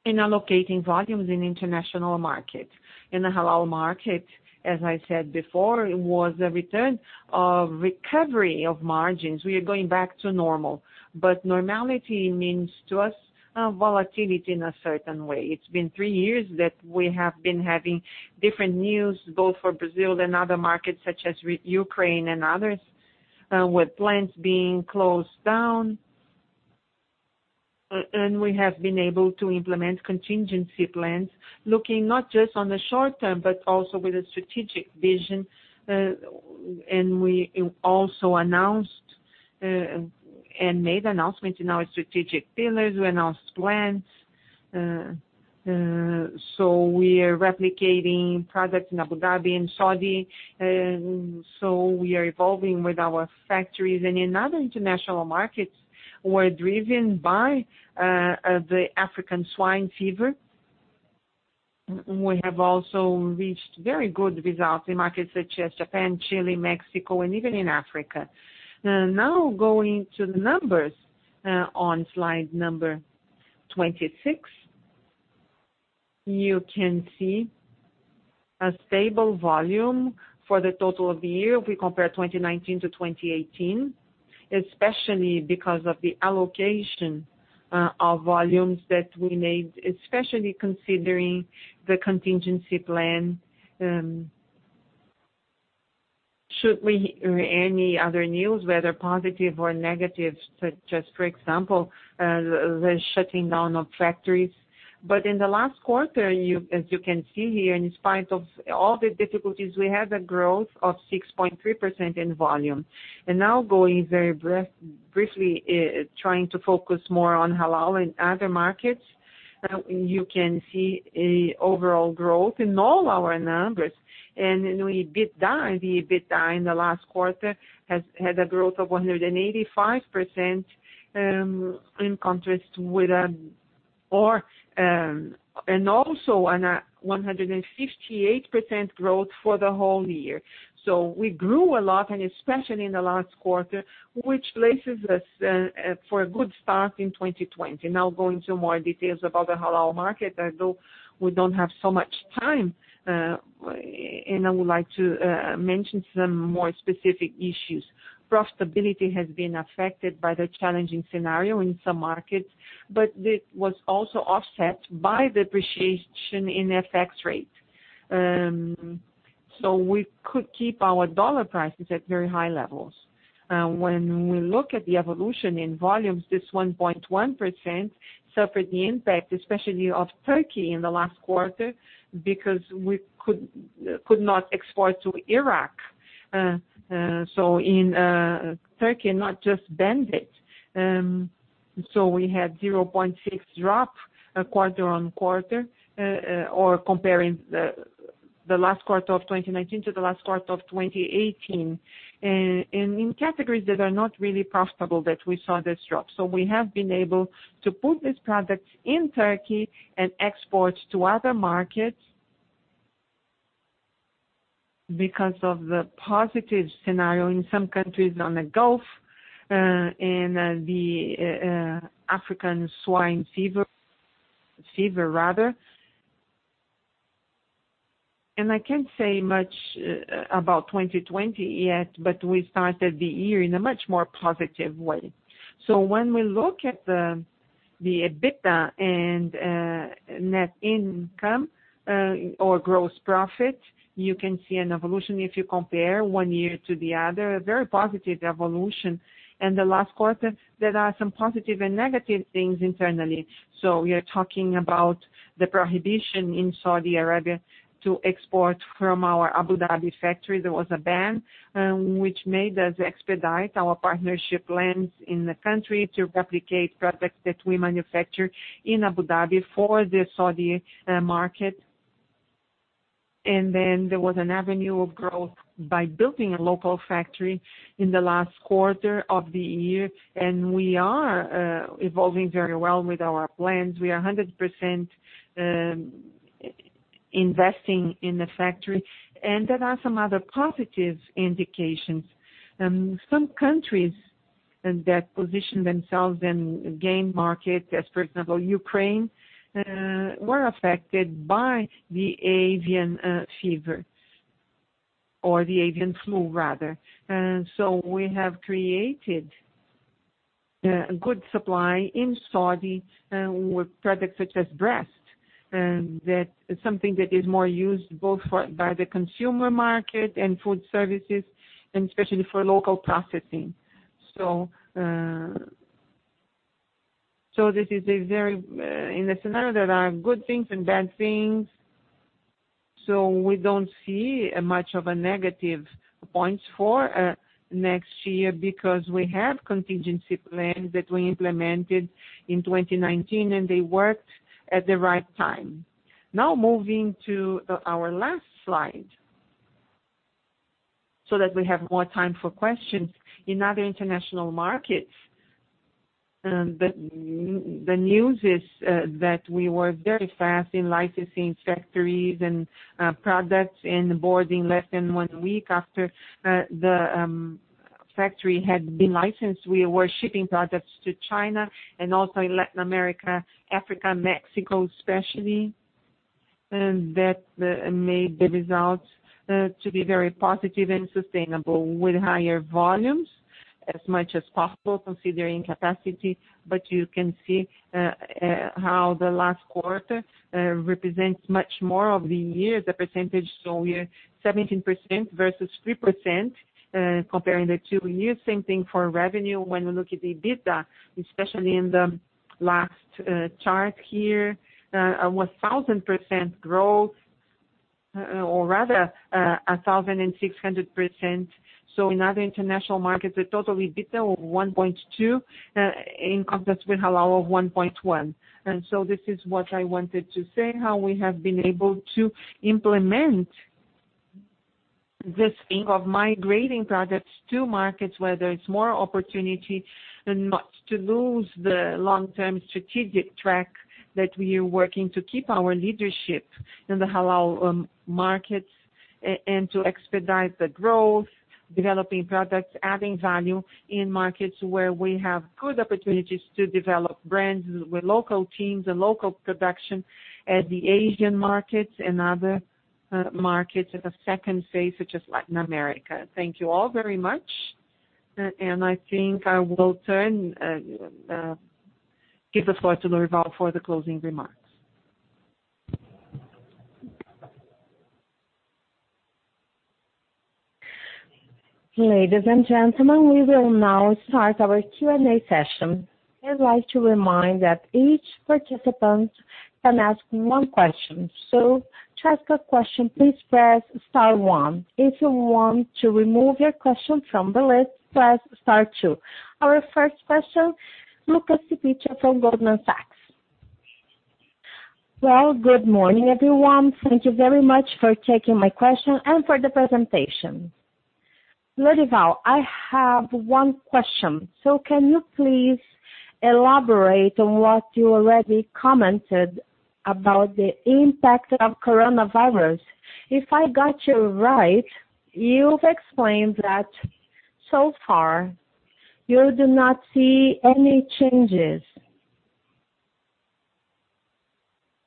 in allocating volumes in international market. In the Halal market, as I said before, it was a return of recovery of margins. We are going back to normal, but normality means to us volatility in a certain way. It's been three years that we have been having different news both for Brazil and other markets such as Ukraine and others with plants being closed down. We have been able to implement contingency plans looking not just on the short term, but also with a strategic vision. We also announced and made announcement in our strategic pillars. We announced plans. We are replicating products in Abu Dhabi and Saudi. We are evolving with our factories. In other international markets, we're driven by the African swine fever. We have also reached very good results in markets such as Japan, Chile, Mexico, and even in Africa. Now going to the numbers on slide number 26. You can see a stable volume for the total of the year if we compare 2019 to 2018, especially because of the allocation of volumes that we made, especially considering the contingency plan and. Should we hear any other news, whether positive or negative, such as, for example, the shutting down of factories. In the last quarter, as you can see here, in spite of all the difficulties, we had a growth of 6.3% in volume. Now going very briefly, trying to focus more on Halal and other markets, you can see overall growth in all our numbers. In the EBITDA in the last quarter has had a growth of 185%. Also a 158% growth for the whole year. We grew a lot, and especially in the last quarter, which places us for a good start in 2020. Now going to more details about the Halal market, although we don't have so much time, and I would like to mention some more specific issues. Profitability has been affected by the challenging scenario in some markets, but it was also offset by the appreciation in FX rate. We could keep our dollar prices at very high levels. When we look at the evolution in volumes, this 1.1% suffered the impact, especially of Turkey in the last quarter, because we could not export to Iraq. In Turkey, not just Banvit. We had 0.6% drop quarter-on-quarter, or comparing the last quarter of 2019 to the last quarter of 2018. In categories that are not really profitable that we saw this drop. We have been able to put these products in Turkey and export to other markets because of the positive scenario in some countries on the Gulf and the African swine fever, rather. I can't say much about 2020 yet, but we started the year in a much more positive way. When we look at the EBITDA and net income or gross profit, you can see an evolution if you compare one year to the other, a very positive evolution. In the last quarter, there are some positive and negative things internally. We are talking about the prohibition in Saudi Arabia to export from our Abu Dhabi factory. There was a ban, which made us expedite our partnership plans in the country to replicate products that we manufacture in Abu Dhabi for the Saudi market. There was an avenue of growth by building a local factory in the last quarter of the year, and we are evolving very well with our plans. We are 100% investing in the factory, and there are some other positive indications. Some countries that position themselves and gain market, as for example, Ukraine, were affected by the avian fever, or the avian flu, rather. We have created a good supply in Saudi with products such as breast. That is something that is more used both by the consumer market and food services, and especially for local processing. In a scenario, there are good things and bad things. We don't see much of a negative points for next year because we have contingency plans that we implemented in 2019, and they worked at the right time. Now moving to our last slide so that we have more time for questions. In other international markets, the news is that we were very fast in licensing factories and products and boarding less than one week after the factory had been licensed. We were shipping products to China and also in Latin America, Africa, Mexico, especially. That made the results to be very positive and sustainable with higher volumes as much as possible, considering capacity. You can see how the last quarter represents much more of the year, the percentage. We are 17% versus 3% comparing the two years. Same thing for revenue. When we look at the EBITDA, especially in the last chart here, a 1,000% growth, or rather 1,600%. In other international markets, a total EBITDA of 1.2 in contrast with Halal of 1.1. This is what I wanted to say, how we have been able to implement this thing of migrating products to markets where there is more opportunity and not to lose the long-term strategic track that we are working to keep our leadership in the Halal markets and to expedite the growth, developing products, adding value in markets where we have good opportunities to develop brands with local teams and local production at the Asian markets and other markets as a second phase, such as Latin America. Thank you all very much. I think I will give the floor to Lorival for the closing remarks. Ladies and gentlemen, we will now start our Q&A session. I'd like to remind that each participant can ask one question. To ask a question, please press star one. If you want to remove your question from the list, press star two. Our first question, Luca Cipiccia from Goldman Sachs. Well, good morning, everyone. Thank you very much for taking my question and for the presentation. Lorival, I have one question. Can you please elaborate on what you already commented about the impact of coronavirus? If I got you right, you've explained that so far you do not see any changes.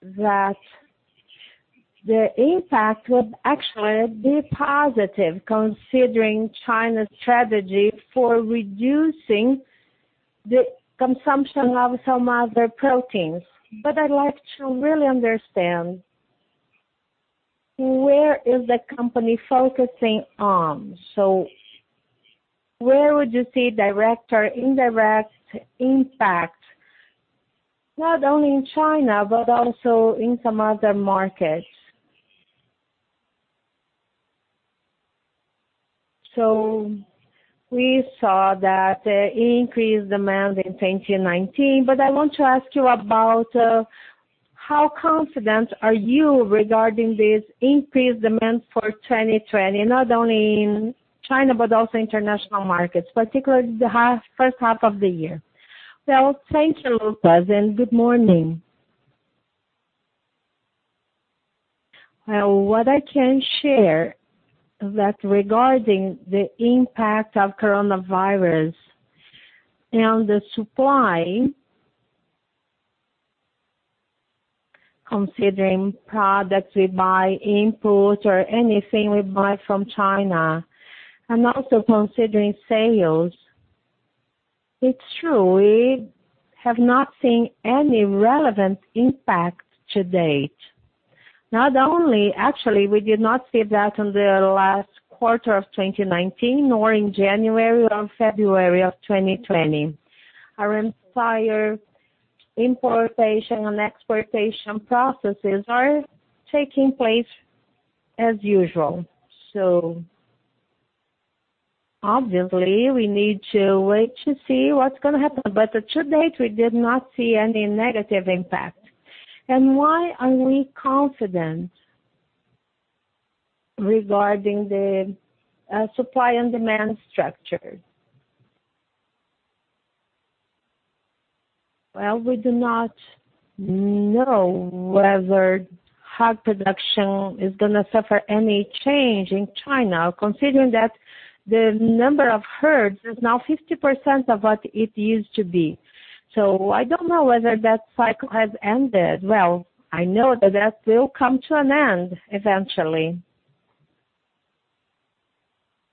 That the impact would actually be positive considering China's strategy for reducing the consumption of some other proteins. I'd like to really understand where is the company focusing on. Where would you see direct or indirect impact, not only in China, but also in some other markets? We saw that increased demand in 2019, but I want to ask you about how confident are you regarding this increased demand for 2020, not only in China, but also international markets, particularly the first half of the year. Well, thank you, Luca, and good morning. Well, what I can share that regarding the impact of coronavirus and the supply considering products we buy import or anything we buy from China, and also considering sales, it's true, we have not seen any relevant impact to date. Not only actually, we did not see that in the last quarter of 2019, nor in January or February of 2020. Our entire importation and exportation processes are taking place as usual. Obviously we need to wait to see what's going to happen. To date, we did not see any negative impact. Why are we confident regarding the supply and demand structure? Well, we do not know whether hog production is going to suffer any change in China, considering that the number of herds is now 50% of what it used to be. I don't know whether that cycle has ended. Well, I know that will come to an end eventually.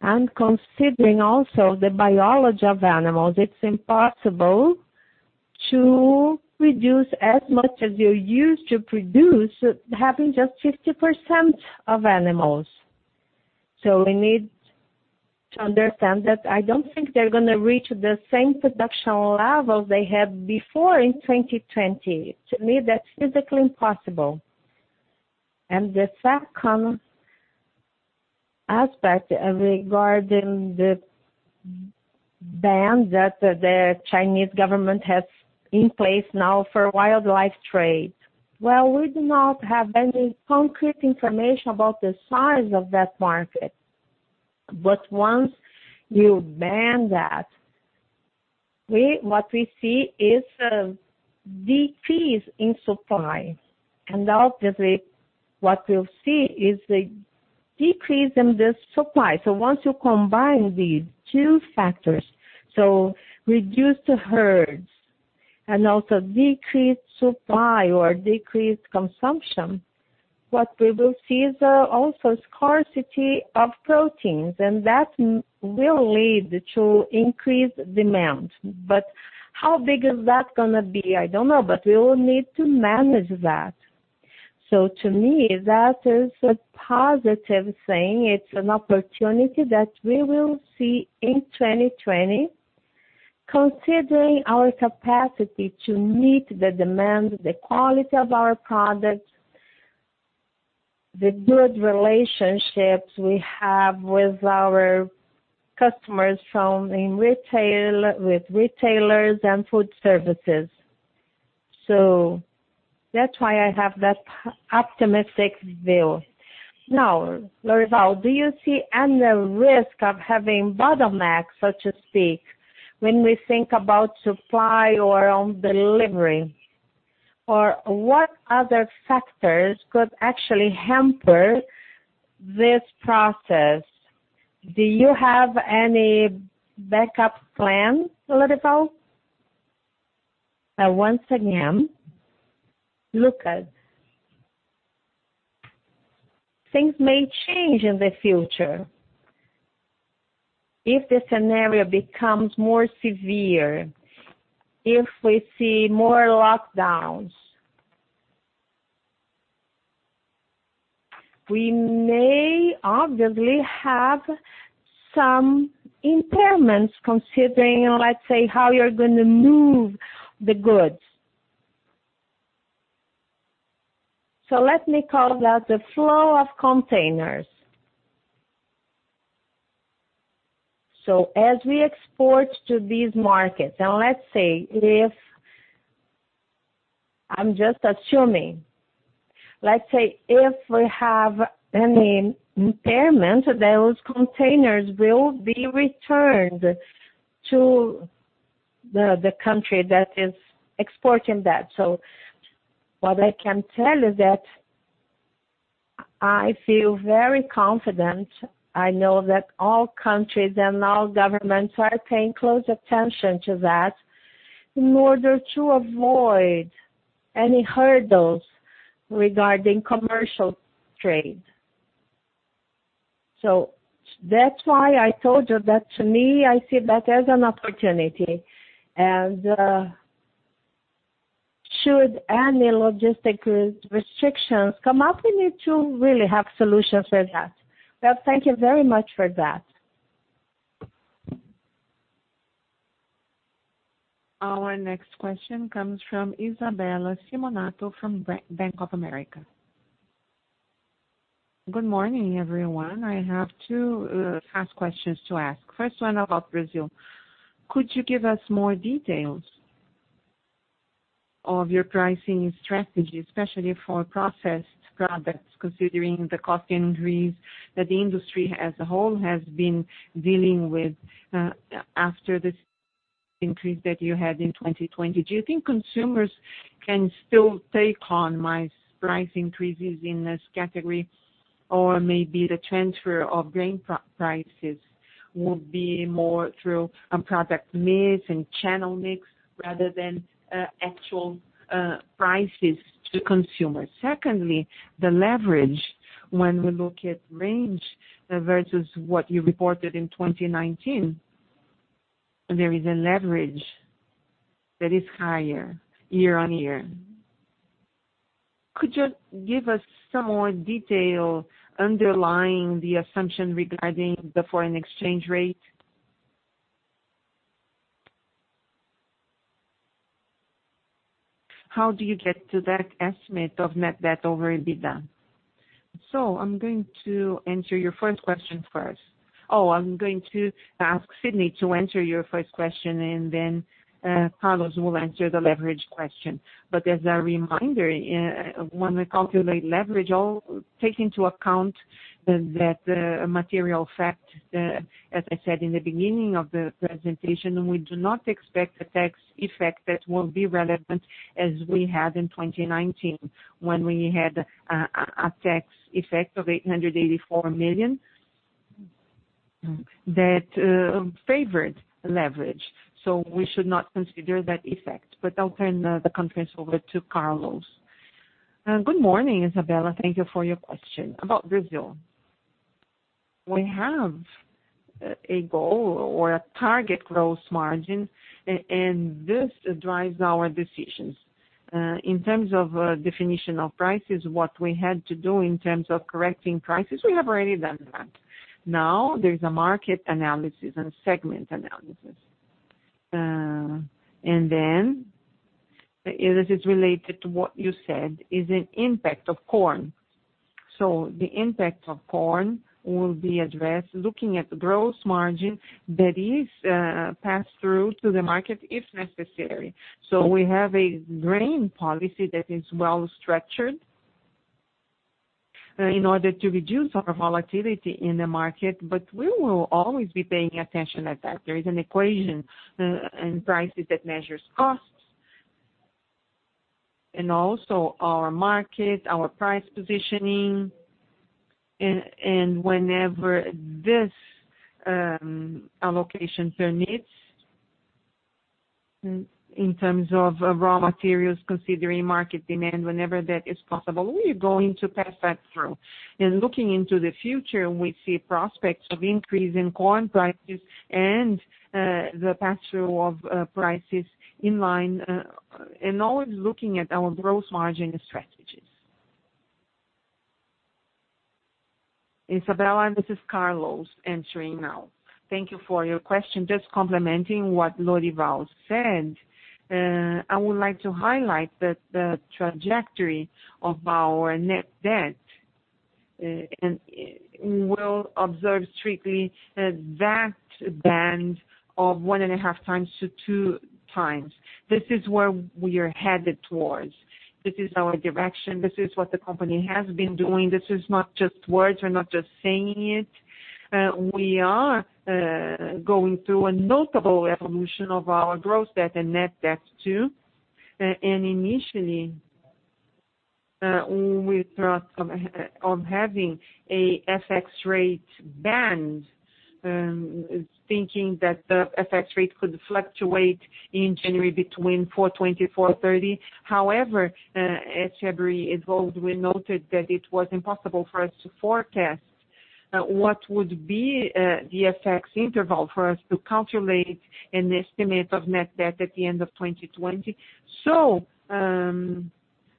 Considering also the biology of animals, it's impossible to reduce as much as you used to produce having just 50% of animals. We need to understand that I don't think they're going to reach the same production levels they had before in 2020. To me, that's physically impossible. The second aspect regarding the ban that the Chinese government has in place now for wildlife trade. Well, we do not have any concrete information about the size of that market. Once you ban that, what we see is a decrease in supply. Obviously what we'll see is the decrease in the supply. Once you combine these two factors, so reduced herds and also decreased supply or decreased consumption, what we will see is also scarcity of proteins, and that will lead to increased demand. How big is that going to be? I don't know, but we will need to manage that. To me, that is a positive thing. It's an opportunity that we will see in 2020 considering our capacity to meet the demand, the quality of our products, the good relationships we have with our customers from in retail-- with retailers and food services. That's why I have that optimistic view. Lorival, do you see any risk of having bottlenecks, so to speak, when we think about supply or on delivery? What other factors could actually hamper this process? Do you have any backup plans, Lorival? Once again, Luca, things may change in the future. If the scenario becomes more severe, if we see more lockdowns, we may obviously have some impairments considering, let's say, how you're going to move the goods. Let me call that the flow of containers. As we export to these markets, now if we have any impairment, those containers will be returned to the country that is exporting that. What I can tell you is that I feel very confident. I know that all countries and all governments are paying close attention to that in order to avoid any hurdles regarding commercial trade. That's why I told you that to me, I see that as an opportunity. Should any logistic restrictions come up, we need to really have solutions for that. Well, thank you very much for that. Our next question comes from Isabella Simonato from Bank of America. Good morning, everyone. I have two first questions to ask. First one about Brazil. Could you give us more details of your pricing strategy, especially for processed products, considering the cost increase that the industry as a whole has been dealing with after this increase that you had in 2020? Do you think consumers can still take on my price increases in this category? Or maybe the transfer of grain prices will be more through a product mix and channel mix rather than actual prices to consumers. Secondly, the leverage. When we look at range versus what you reported in 2019, there is a leverage that is higher year-on-year. Could you give us some more detail underlying the assumption regarding the foreign exchange rate? How do you get to that estimate of net debt over EBITDA? I'm going to answer your first question first. I'm going to ask Sidney to answer your first question, and then Carlos will answer the leverage question. As a reminder, when we calculate leverage, I'll take into account that material fact as I said in the beginning of the presentation, we do not expect a tax effect that will be relevant as we had in 2019 when we had a tax effect of 884 million that favored leverage. We should not consider that effect. I'll turn the conference over to Carlos. Good morning, Isabella. Thank you for your question. About Brazil, we have a goal or a target growth margin, and this drives our decisions. In terms of definition of prices, what we had to do in terms of correcting prices, we have already done that. There's a market analysis and segment analysis. It is related to what you said is an impact of corn. The impact of corn will be addressed looking at the gross margin that is passed through to the market if necessary. We have a grain policy that is well-structured in order to reduce our volatility in the market, but we will always be paying attention at that. There is an equation and prices that measures costs, and also our market, our price positioning. Whenever this allocation permits in terms of raw materials, considering market demand, whenever that is possible, we are going to pass that through. Looking into the future, we see prospects of increase in corn prices and the pass-through of prices in line and always looking at our gross margin strategies. Isabella, this is Carlos answering now. Thank you for your question. Just complementing what Lorival said, I would like to highlight that the trajectory of our net debt will observe strictly that band 1.5x-2x. This is where we are headed towards, this our direction, this is what the company has been doing. It is not just words. We're not just saying it. We are going through a notable evolution of our gross debt and net debt, too. Initially, we thought on having a FX rate band, thinking that the FX rate could fluctuate in January between 4.20, 4.30. However as February evolved, we noted that it was impossible for us to forecast what would be the FX interval for us to calculate an estimate of net debt at the end of 2020.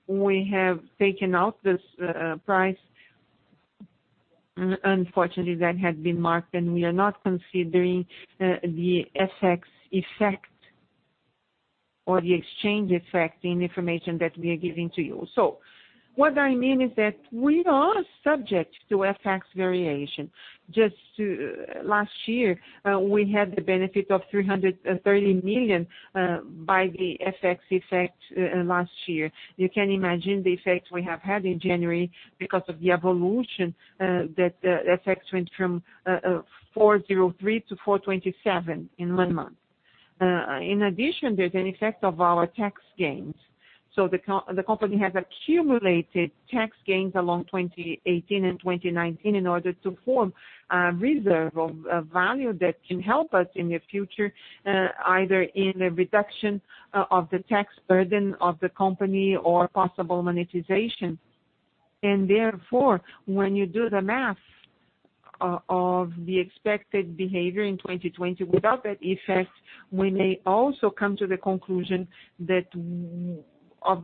We have taken out this price. Unfortunately, that had been marked. We are not considering the FX effect or the exchange effect in information that we are giving to you. What I mean is that we are subject to FX variation. Just last year, we had the benefit of 330 million by the FX effect last year. You can imagine the effect we have had in January because of the evolution that the FX went from 4.03 to 4.27 in one month. In addition, there's an effect of our tax gains. The company has accumulated tax gains along 2018 and 2019 in order to form a reserve of value that can help us in the future, either in the reduction of the tax burden of the company or possible monetization. Therefore, when you do the math of the expected behavior in 2020 without that effect, we may also come to the conclusion of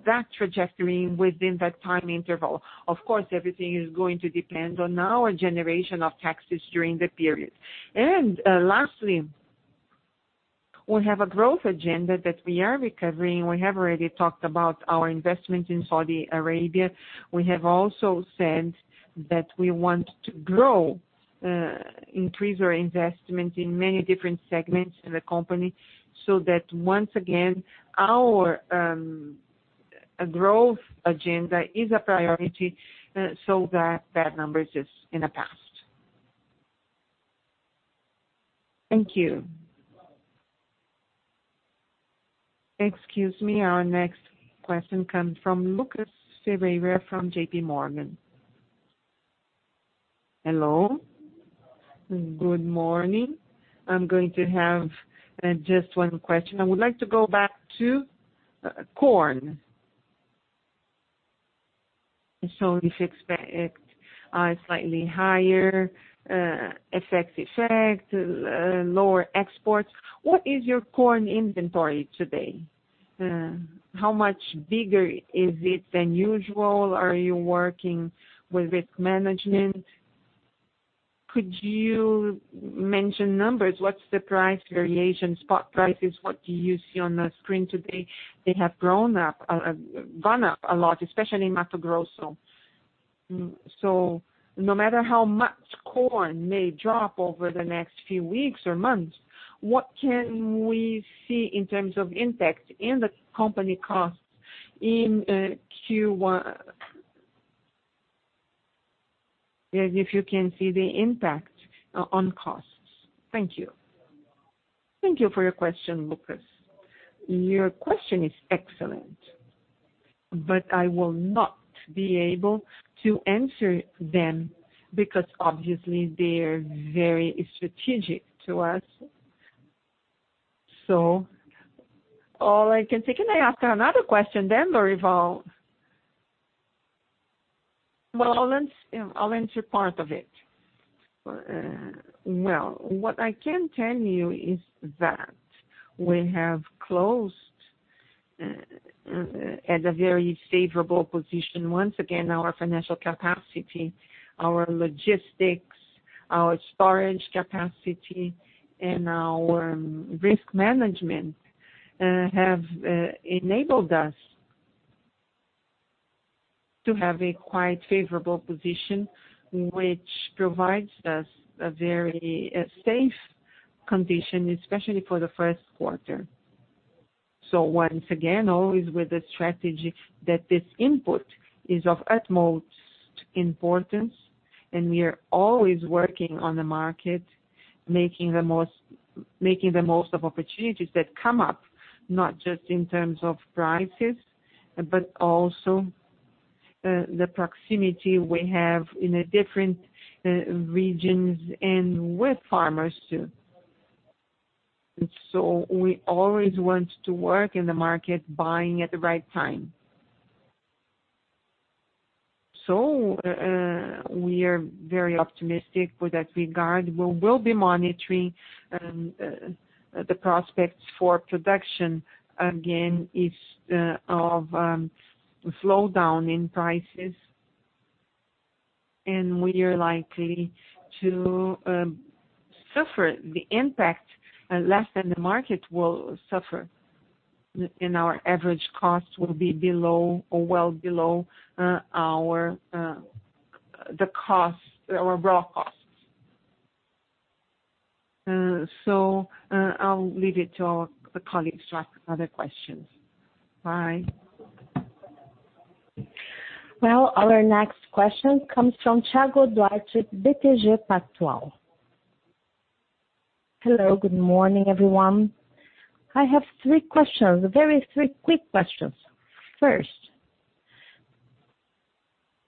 that trajectory within that time interval. Of course, everything is going to depend on our generation of taxes during the period. Lastly, we have a growth agenda that we are recovering. We have already talked about our investment in Saudi Arabia. We have also said that we want to grow, increase our investment in many different segments in the company, so that once again, our growth agenda is a priority, so that number is just in the past. Thank you. Excuse me, our next question comes from Lucas Ferreira from JPMorgan. Hello. Good morning. I am going to have just one question. I would like to go back to corn. We expect a slightly higher FX effect, lower exports. What is your corn inventory today? How much bigger is it than usual? Are you working with risk management? Could you mention numbers? What is the price variation, spot prices? What do you see on the screen today? They have gone up a lot, especially in Mato Grosso. No matter how much corn may drop over the next few weeks or months, what can we see in terms of impact in the company costs in Q1? If you can see the impact on costs. Thank you. Thank you for your question, Lucas. Your question is excellent, I will not be able to answer them because obviously they are very strategic to us. Can I ask another question, Lorival? I'll answer part of it. What I can tell you is that we have closed at a very favorable position. Once again, our financial capacity, our logistics, our storage capacity, and our risk management have enabled us to have a quite favorable position, which provides us a very safe condition, especially for the first quarter. Once again, always with the strategy that this input is of utmost importance, and we are always working on the market, making the most of opportunities that come up, not just in terms of prices, but also the proximity we have in different regions and with farmers too. We always want to work in the market, buying at the right time. We are very optimistic with that regard. We will be monitoring the prospects for production again if of a slowdown in prices. We are likely to suffer the impact less than the market will suffer. Our average cost will be below or well below our raw costs. I'll leave it to our colleagues to ask other questions. Bye. Well, our next question comes from Thiago Duarte, BTG Pactual. Hello. Good morning, everyone. I have three questions, very three quick questions. First,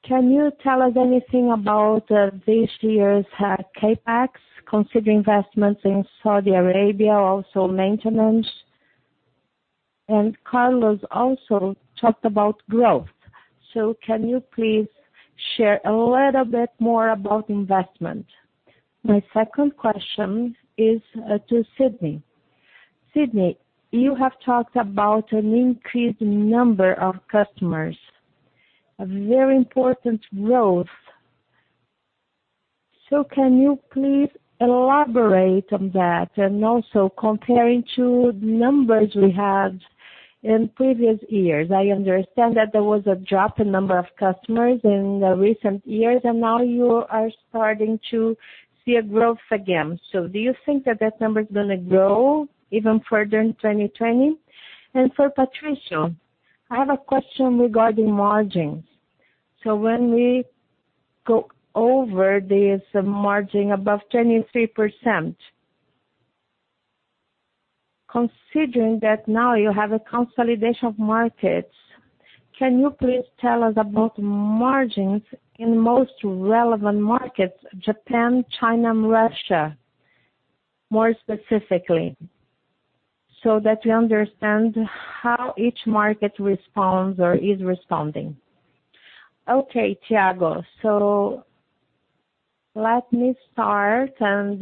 can you tell us anything about this year's CapEx, considering investments in Saudi Arabia, also maintenance? Carlos also talked about growth. Can you please share a little bit more about investment? My second question is to Sidney. Sidney, you have talked about an increased number of customers, a very important growth. Can you please elaborate on that? Also comparing to numbers we had in previous years. I understand that there was a drop in number of customers in recent years, and now you are starting to see a growth again. Do you think that that number is going to grow even further in 2020? For Patricio, I have a question regarding margins. When we go over this margin above 23%, considering that now you have a consolidation of markets, can you please tell us about margins in most relevant markets, Japan, China, and Russia, more specifically, so that we understand how each market responds or is responding. Okay, Thiago. Let me start, and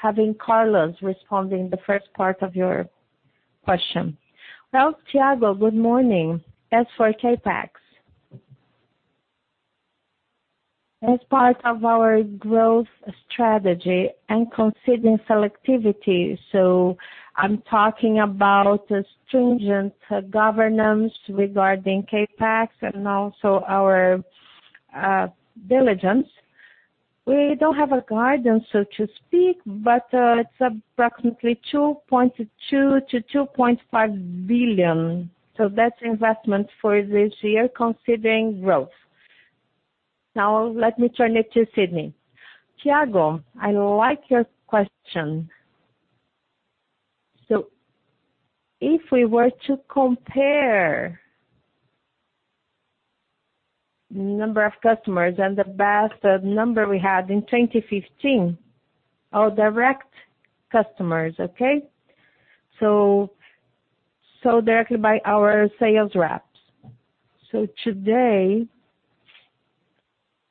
having Carlos responding the first part of your question. Thiago, good morning. As for CapEx, as part of our growth strategy and considering selectivity, so I'm talking about stringent governance regarding CapEx and also our diligence. We don't have a guidance, so to speak, but it's approximately 2.2 billion-2.5 billion. That's investment for this year, considering growth. Let me turn it to Sidney. Thiago, I like your question. If we were to compare number of customers and the best number we had in 2015 are direct customers, okay? Directly by our sales reps. Today,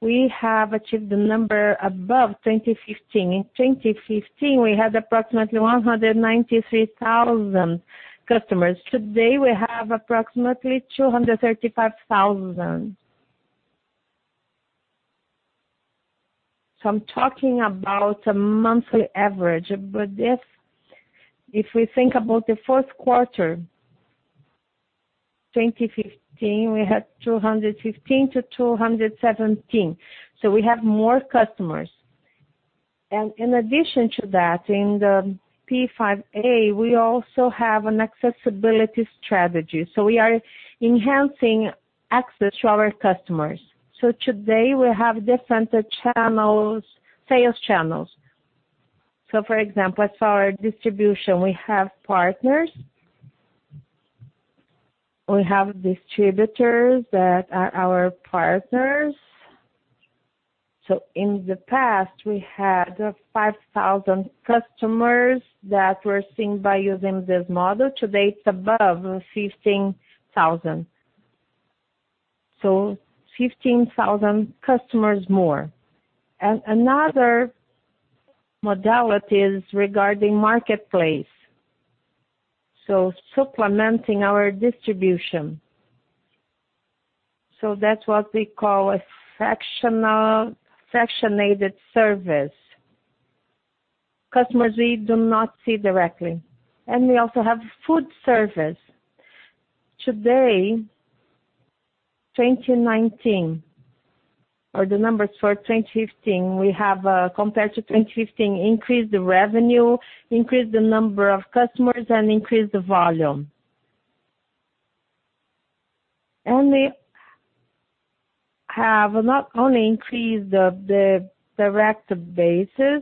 we have achieved the number above 2015. In 2015, we had approximately 193,000 customers. Today, we have approximately 235,000. I'm talking about a monthly average. If we think about the fourth quarter 2015, we had 215,000-217,000. We have more customers. In addition to that, in the P5A, we also have an accessibility strategy. We are enhancing access to our customers. Today we have different sales channels. For example, as for our distribution, we have partners. We have distributors that are our partners. In the past, we had 5,000 customers that were seen by using this model. Today, it's above 15,000. 15,000 customers more. Another modality is regarding marketplace. Supplementing our distribution. That's what we call a fractionated service. Customers we do not see directly. We also have food service. Today, 2019, or the numbers for 2015, we have, compared to 2015, increased the revenue, increased the number of customers, and increased the volume. We have not only increased the direct basis,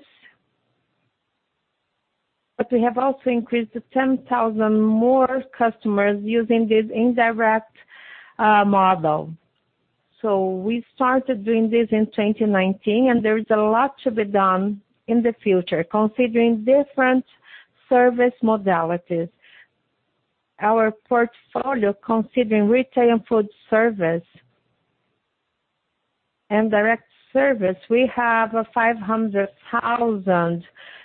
but we have also increased to 10,000 more customers using this indirect model. We started doing this in 2019, and there is a lot to be done in the future, considering different service modalities. Our portfolio, considering retail and food service and direct service, we have 500,000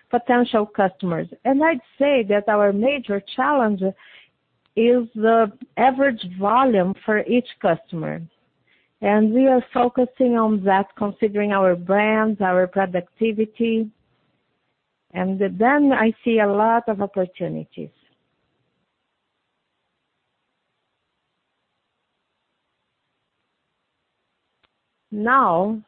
potential customers. I'd say that our major challenge is the average volume for each customer. We are focusing on that, considering our brands, our productivity. Then I see a lot of opportunities. Now,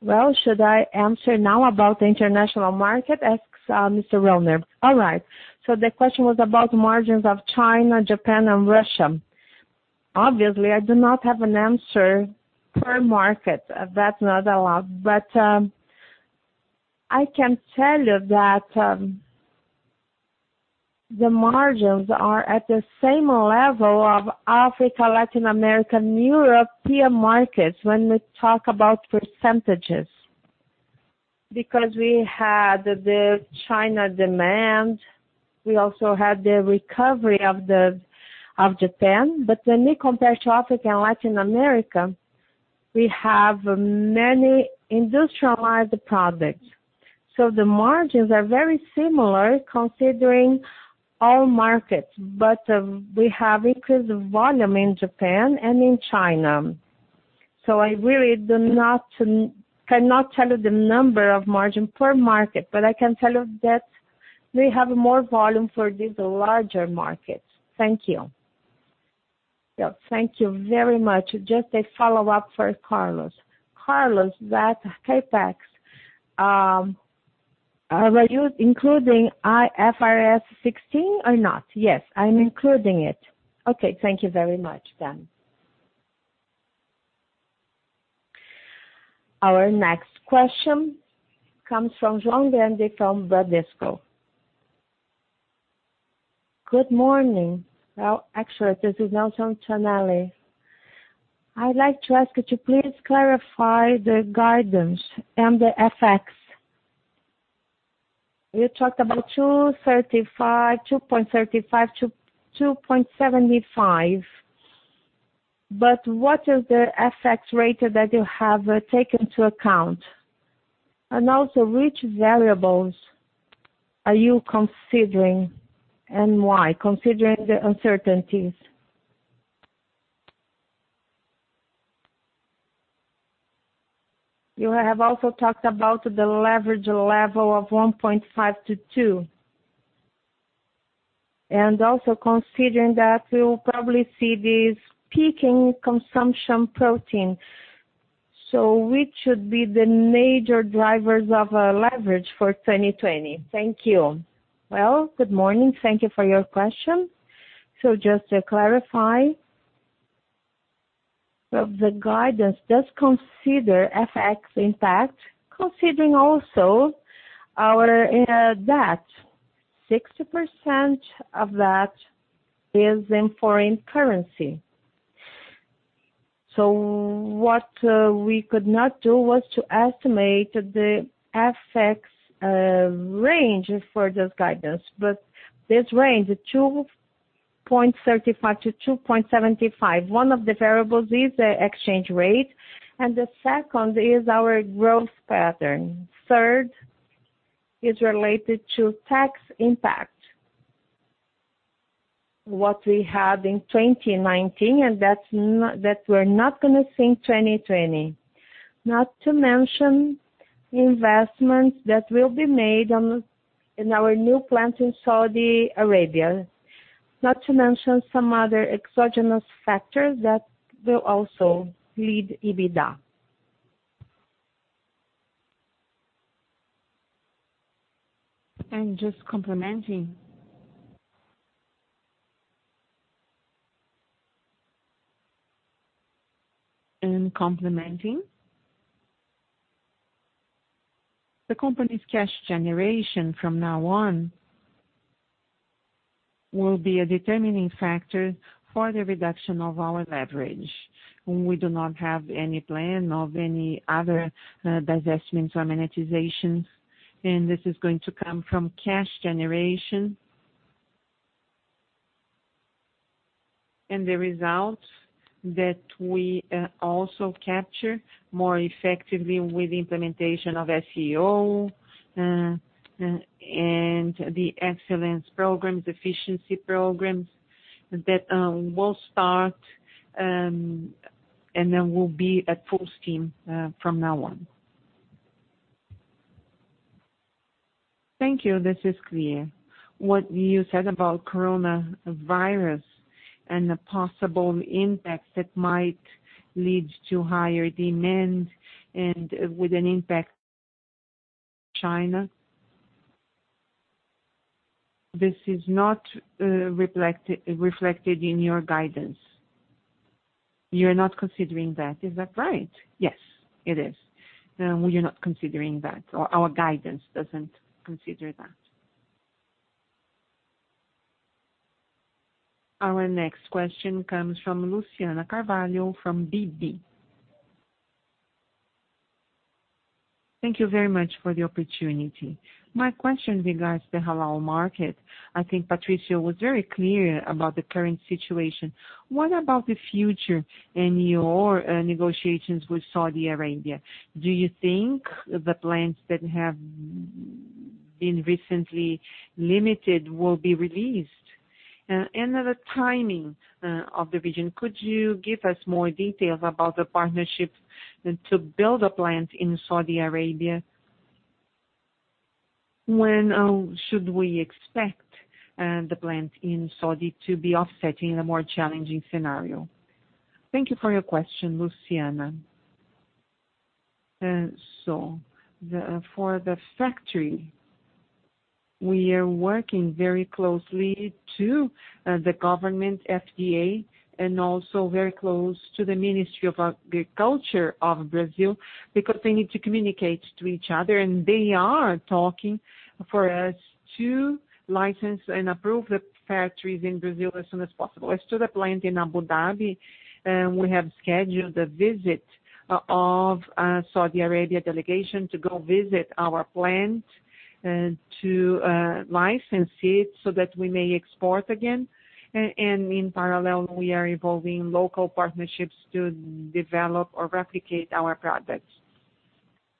well, should I answer now about the international market, asks Mr. Rohner. All right. The question was about margins of China, Japan, and Russia. Obviously, I do not have an answer per market. That's not allowed. I can tell you that the margins are at the same level of Africa, Latin America, and Europe peer markets when we talk about percentages. We had the China demand. We also had the recovery of Japan. When we compare to Africa and Latin America, we have many industrialized products. The margins are very similar considering all markets, but we have increased volume in Japan and in China. I really cannot tell you the number of margin per market, but I can tell you that we have more volume for these larger markets. Thank you. Yeah. Thank you very much. Just a follow-up for Carlos. Carlos, that CapEx, are you including IFRS 16 or not? Yes, I'm including it. Okay. Thank you very much then. Our next question comes from João Grandi from Bradesco. Good morning. Well, actually, this is Leandro Fontanesi. I'd like to ask you to please clarify the guidance and the FX. You talked about 2.35x-2.75x, what is the FX rate that you have taken into account? Also, which variables are you considering, and why, considering the uncertainties? You have also talked about the leverage level of 1.5x-2x, also considering that we will probably see this peak in consumption protein. Which should be the major drivers of our leverage for 2020? Thank you. Good morning. Thank you for your question. Just to clarify. The guidance does consider FX impact, considering also our debt. 60% of that is in foreign currency. What we could not do was to estimate the FX range for this guidance. This range, 2.35x-2.75x. One of the variables is the exchange rate, and the second is our growth pattern. Third is related to tax impact. What we had in 2019, and that we're not going to see in 2020. Not to mention investments that will be made in our new plant in Saudi Arabia. Not to mention some other exogenous factors that will also lead EBITDA. Just complementing. Complementing. The company's cash generation from now on will be a determining factor for the reduction of our leverage. We do not have any plan of any other divestments or monetizations, and this is going to come from cash generation and the results that we also capture more effectively with the implementation of SEO and the excellence programs, efficiency programs that will start and then will be at full steam from now on. Thank you. This is clear. What you said about coronavirus and the possible impacts that might lead to higher demand and with an impact China. This is not reflected in your guidance. You are not considering that, is that right? Yes, it is. We're not considering that, or our guidance doesn't consider that. Our next question comes from Luciana Carvalho from BB. Thank you very much for the opportunity. My question regards the Halal market. I think Patricio was very clear about the current situation. What about the future and your negotiations with Saudi Arabia? Do you think the plants that have been recently limited will be released? The timing of the region, could you give us more details about the partnership to build a plant in Saudi Arabia? When should we expect the plant in Saudi to be offsetting a more challenging scenario? Thank you for your question, Luciana. For the factory, we are working very closely to the government, SFDA, and also very close to the Ministry of Agriculture of Brazil because they need to communicate to each other, and they are talking for us to license and approve the factories in Brazil as soon as possible. As to the plant in Abu Dhabi, we have scheduled a visit of a Saudi Arabia delegation to go visit our plant. To license it so that we may export again. In parallel, we are evolving local partnerships to develop or replicate our products.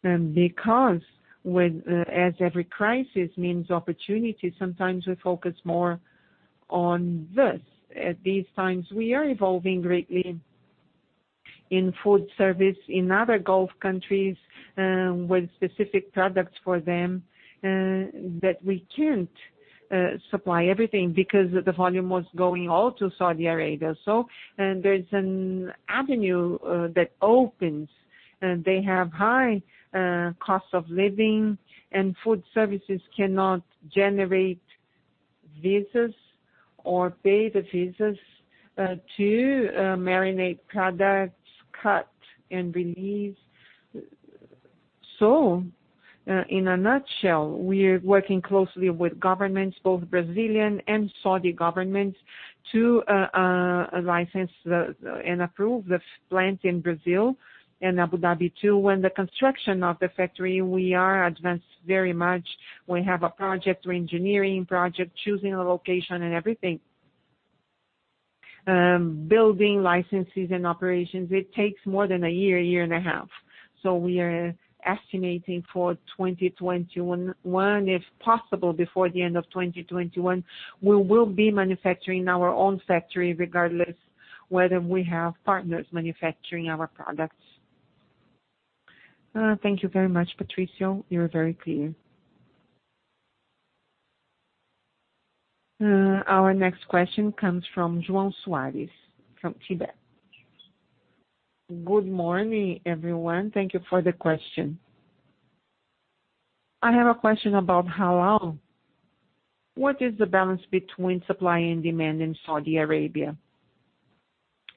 Because as every crisis means opportunity, sometimes we focus more on this. At these times, we are evolving greatly in food service in other Gulf countries with specific products for them that we can't supply everything because the volume was going all to Saudi Arabia. There's an avenue that opens. They have high cost of living and food services cannot generate visas or pay the visas to marinate products, cut and release. In a nutshell, we are working closely with governments, both Brazilian and Saudi governments, to license and approve the plant in Brazil and Abu Dhabi too. When the construction of the factory, we are advanced very much. We have a project, re-engineering project, choosing a location and everything. Building licenses and operations, it takes more than a year, a year and a half years. We are estimating for 2021, if possible, before the end of 2021, we will be manufacturing our own factory regardless whether we have partners manufacturing our products. Thank you very much, Patricio. You are very clear. Our next question comes from João Soares from Citibank. Good morning, everyone. Thank you for the question. I have a question about Halal. What is the balance between supply and demand in Saudi Arabia?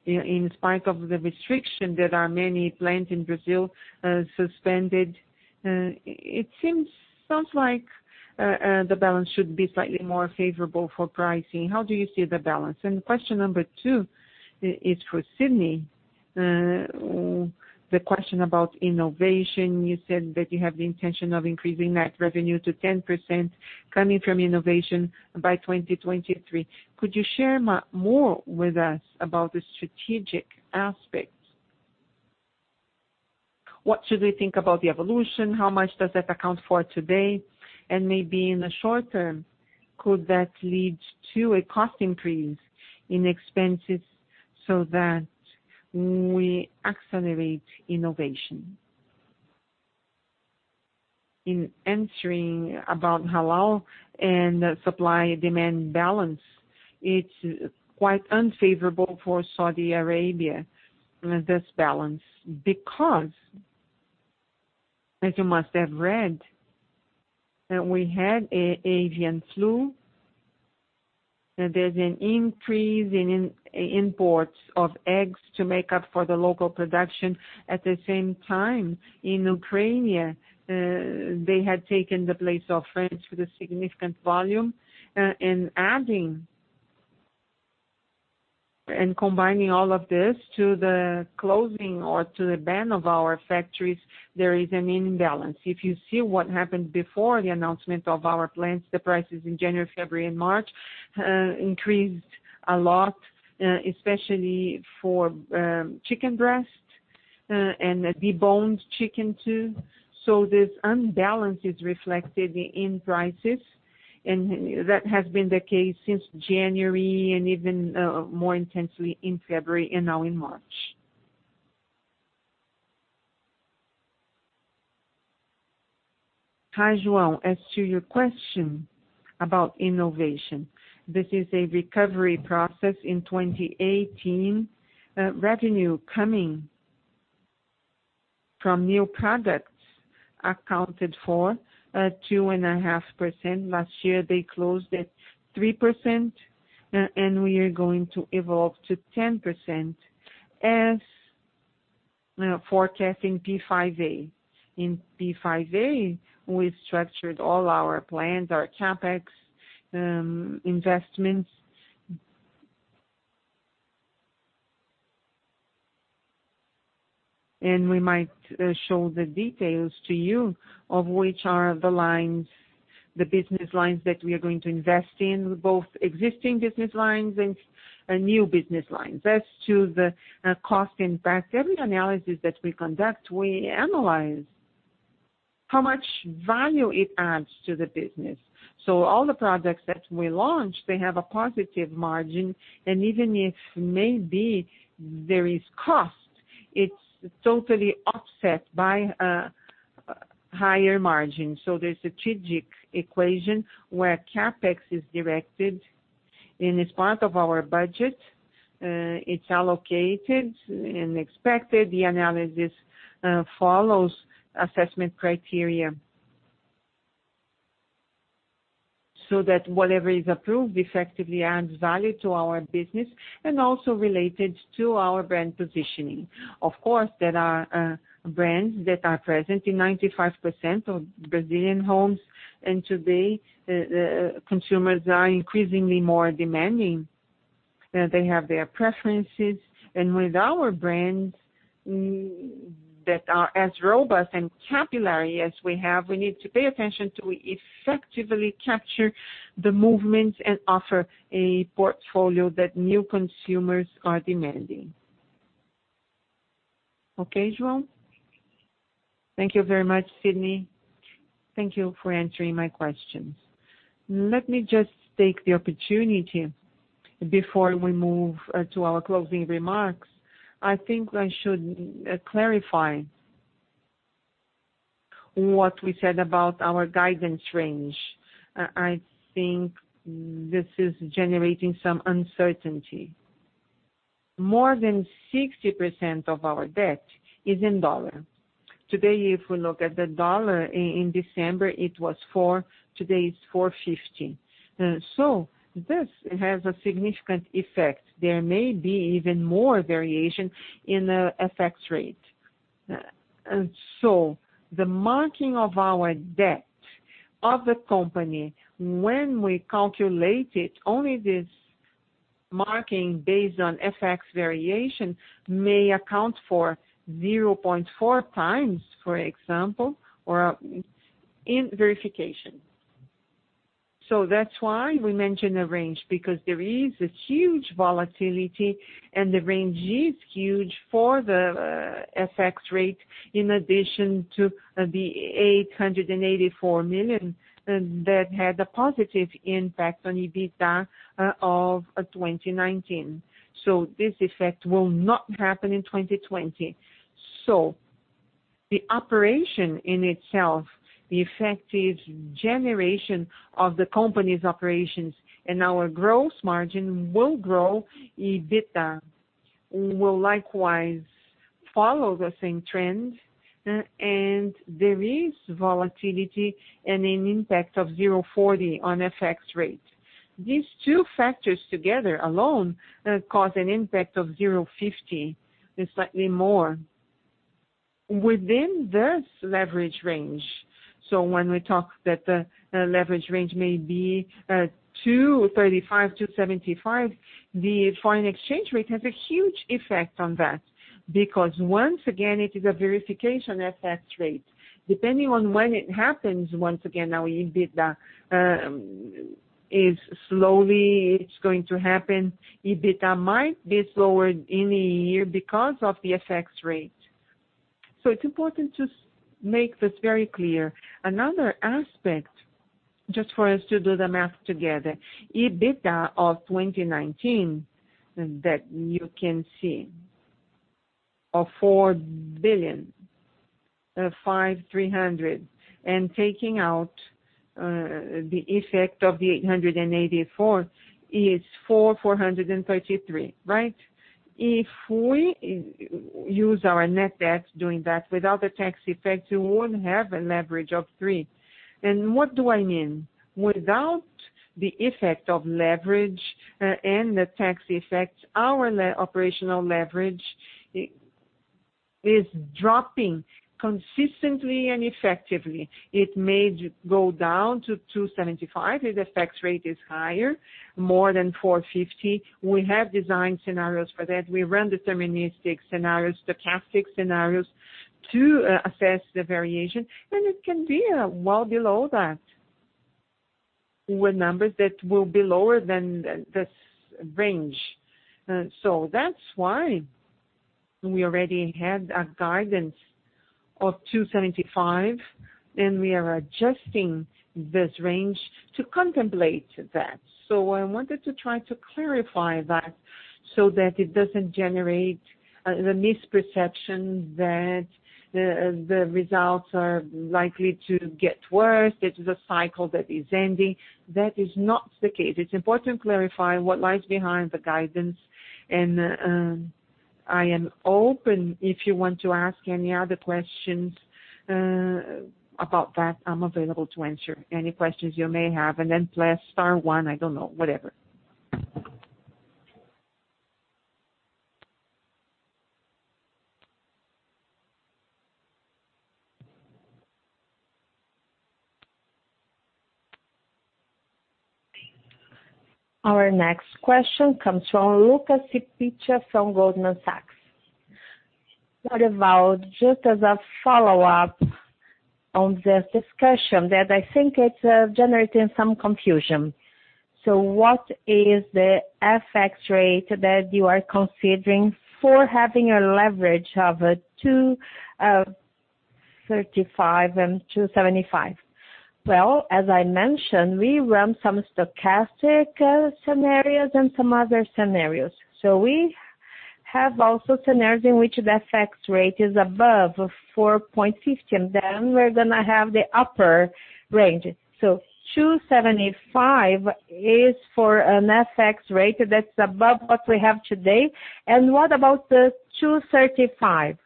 In spite of the restriction, there are many plants in Brazil suspended. Sounds like the balance should be slightly more favorable for pricing. How do you see the balance? Question number two is for Sidney. The question about innovation. You said that you have the intention of increasing that revenue to 10% coming from innovation by 2023. Could you share more with us about the strategic aspect? What should we think about the evolution? How much does that account for today? And maybe in the short term, could that lead to a cost increase in expenses so that we accelerate innovation? In answering about halal and supply-demand balance, it's quite unfavorable for Saudi Arabia, this balance. As you must have read, we had avian flu. There's an increase in imports of eggs to make up for the local production. At the same time in Ukraine, they had taken the place of France with a significant volume. Adding and combining all of this to the closing or to the ban of our factories, there is an imbalance. If you see what happened before the announcement of our plants, the prices in January, February, and March increased a lot, especially for chicken breast and deboned chicken too. This unbalance is reflected in prices, and that has been the case since January and even more intensely in February and now in March. Hi, João. As to your question about innovation. This is a recovery process in 2018. Revenue coming from new products accounted for 2.5%. Last year, they closed at 3%, and we are going to evolve to 10% as forecasting P5A. In P5A, we structured all our plans, our CapEx investments. We might show the details to you of which are the lines, the business lines that we are going to invest in, both existing business lines and new business lines. As to the cost impact, every analysis that we conduct, we analyze how much value it adds to the business. All the products that we launch, they have a positive margin, and even if maybe there is cost, it's totally offset by a higher margin. There's a strategic equation where CapEx is directed and is part of our budget. It's allocated and expected. The analysis follows assessment criteria so that whatever is approved effectively adds value to our business and also related to our brand positioning. Of course, there are brands that are present in 95% of Brazilian homes, and today, consumers are increasingly more demanding. They have their preferences. With our brands that are as robust and capillary as we have, we need to pay attention to effectively capture the movements and offer a portfolio that new consumers are demanding. Okay, João? Thank you very much, Sidney. Thank you for answering my questions. Let me just take the opportunity before we move to our closing remarks. I think I should clarify what we said about our guidance range. I think this is generating some uncertainty. More than 60% of our debt is in dollar. Today, if we look at the dollar in December, it was 4.00, today it's 4.50. This has a significant effect. There may be even more variation in the FX rate. The marking of our debt of the company when we calculate it, only this marking based on FX variation may account for 0.4x, for example, or in verification. That's why we mention a range, because there is a huge volatility and the range is huge for the FX rate in addition to the 884 million that had a positive impact on EBITDA of 2019. This effect will not happen in 2020. The operation in itself, the effective generation of the company's operations and our gross margin will grow. EBITDA will likewise follow the same trend, and there is volatility and an impact of 0.40x on FX rate. These two factors together alone cause an impact of 0.50x, slightly more within this leverage range. When we talk that the leverage range may be 2.35x to 2.75x, the foreign exchange rate has a huge effect on that because once again, it is a verification FX rate. Depending on when it happens, once again, our EBITDA is slowly going to happen. EBITDA might be slower in a year because of the FX rate. It's important to make this very clear. Another aspect, just for us to do the math together. EBITDA of 2019 that you can see of 5.3 billion, and taking out the effect of the 884 million is 4,433 million. Right? If we use our net debt without the tax effect we would have a leverage of 3x. What do I mean? Without the effect of leverage and the tax effect, our operational leverage is dropping consistently and effectively. It may go down to 2.75x if the FX rate is higher, more than 4.50. We have designed scenarios for that. We run deterministic scenarios, stochastic scenarios to assess the variation, it can be well below that with numbers that will be lower than this range. That's why we already had a guidance of 2.75x, we are adjusting this range to contemplate that. I wanted to try to clarify that so that it doesn't generate the misperception that the results are likely to get worse. It is a cycle that is ending. That is not the case. It's important to clarify what lies behind the guidance, and I am open, if you want to ask any other questions about that, I'm available to answer any questions you may have. Press star one. I don't know. Whatever. Our next question comes from Luca Cipiccia from Goldman Sachs. What about just as a follow-up on the discussion that I think it's generating some confusion. What is the FX rate that you are considering for having a leverage of 2.35x and 2.75x? Well, as I mentioned, we run some stochastic scenarios and some other scenarios. We have also scenarios in which the FX rate is above 4.50, and then we're going to have the upper range. 2.75x is for an FX rate that's above what we have today. What about the 2.35x?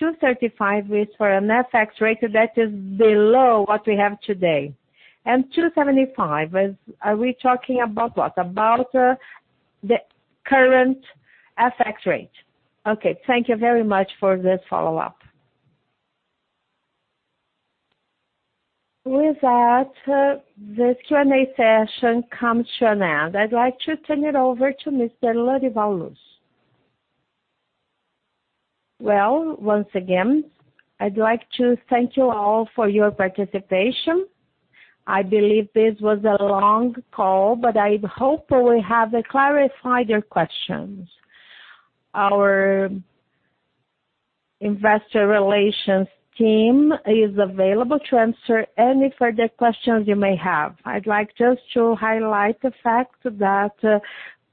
2.35x is for an FX rate that is below what we have today. 2.75x Are we talking about what? About the current FX rate. Okay. Thank you very much for this follow-up. With that, this Q&A session comes to an end. I'd like to turn it over to Mr. Lorival Luz. Well, once again, I'd like to thank you all for your participation. I believe this was a long call, but I hope we have clarified your questions. Our investor relations team is available to answer any further questions you may have. I'd like just to highlight the fact that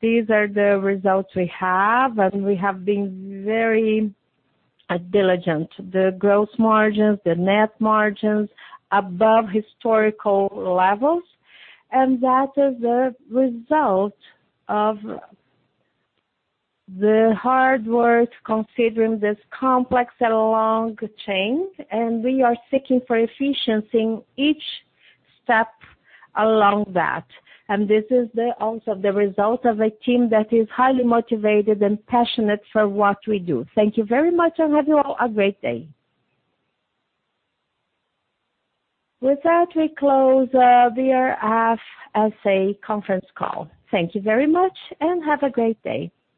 these are the results we have, and we have been very diligent. The gross margins, the net margins above historical levels, and that is the result of the hard work considering this complex and long chain. We are seeking for efficiency in each step along that. This is also the result of a team that is highly motivated and passionate for what we do. Thank you very much and have you all a great day. With that, we close our BRF S.A. conference call. Thank you very much and have a great day.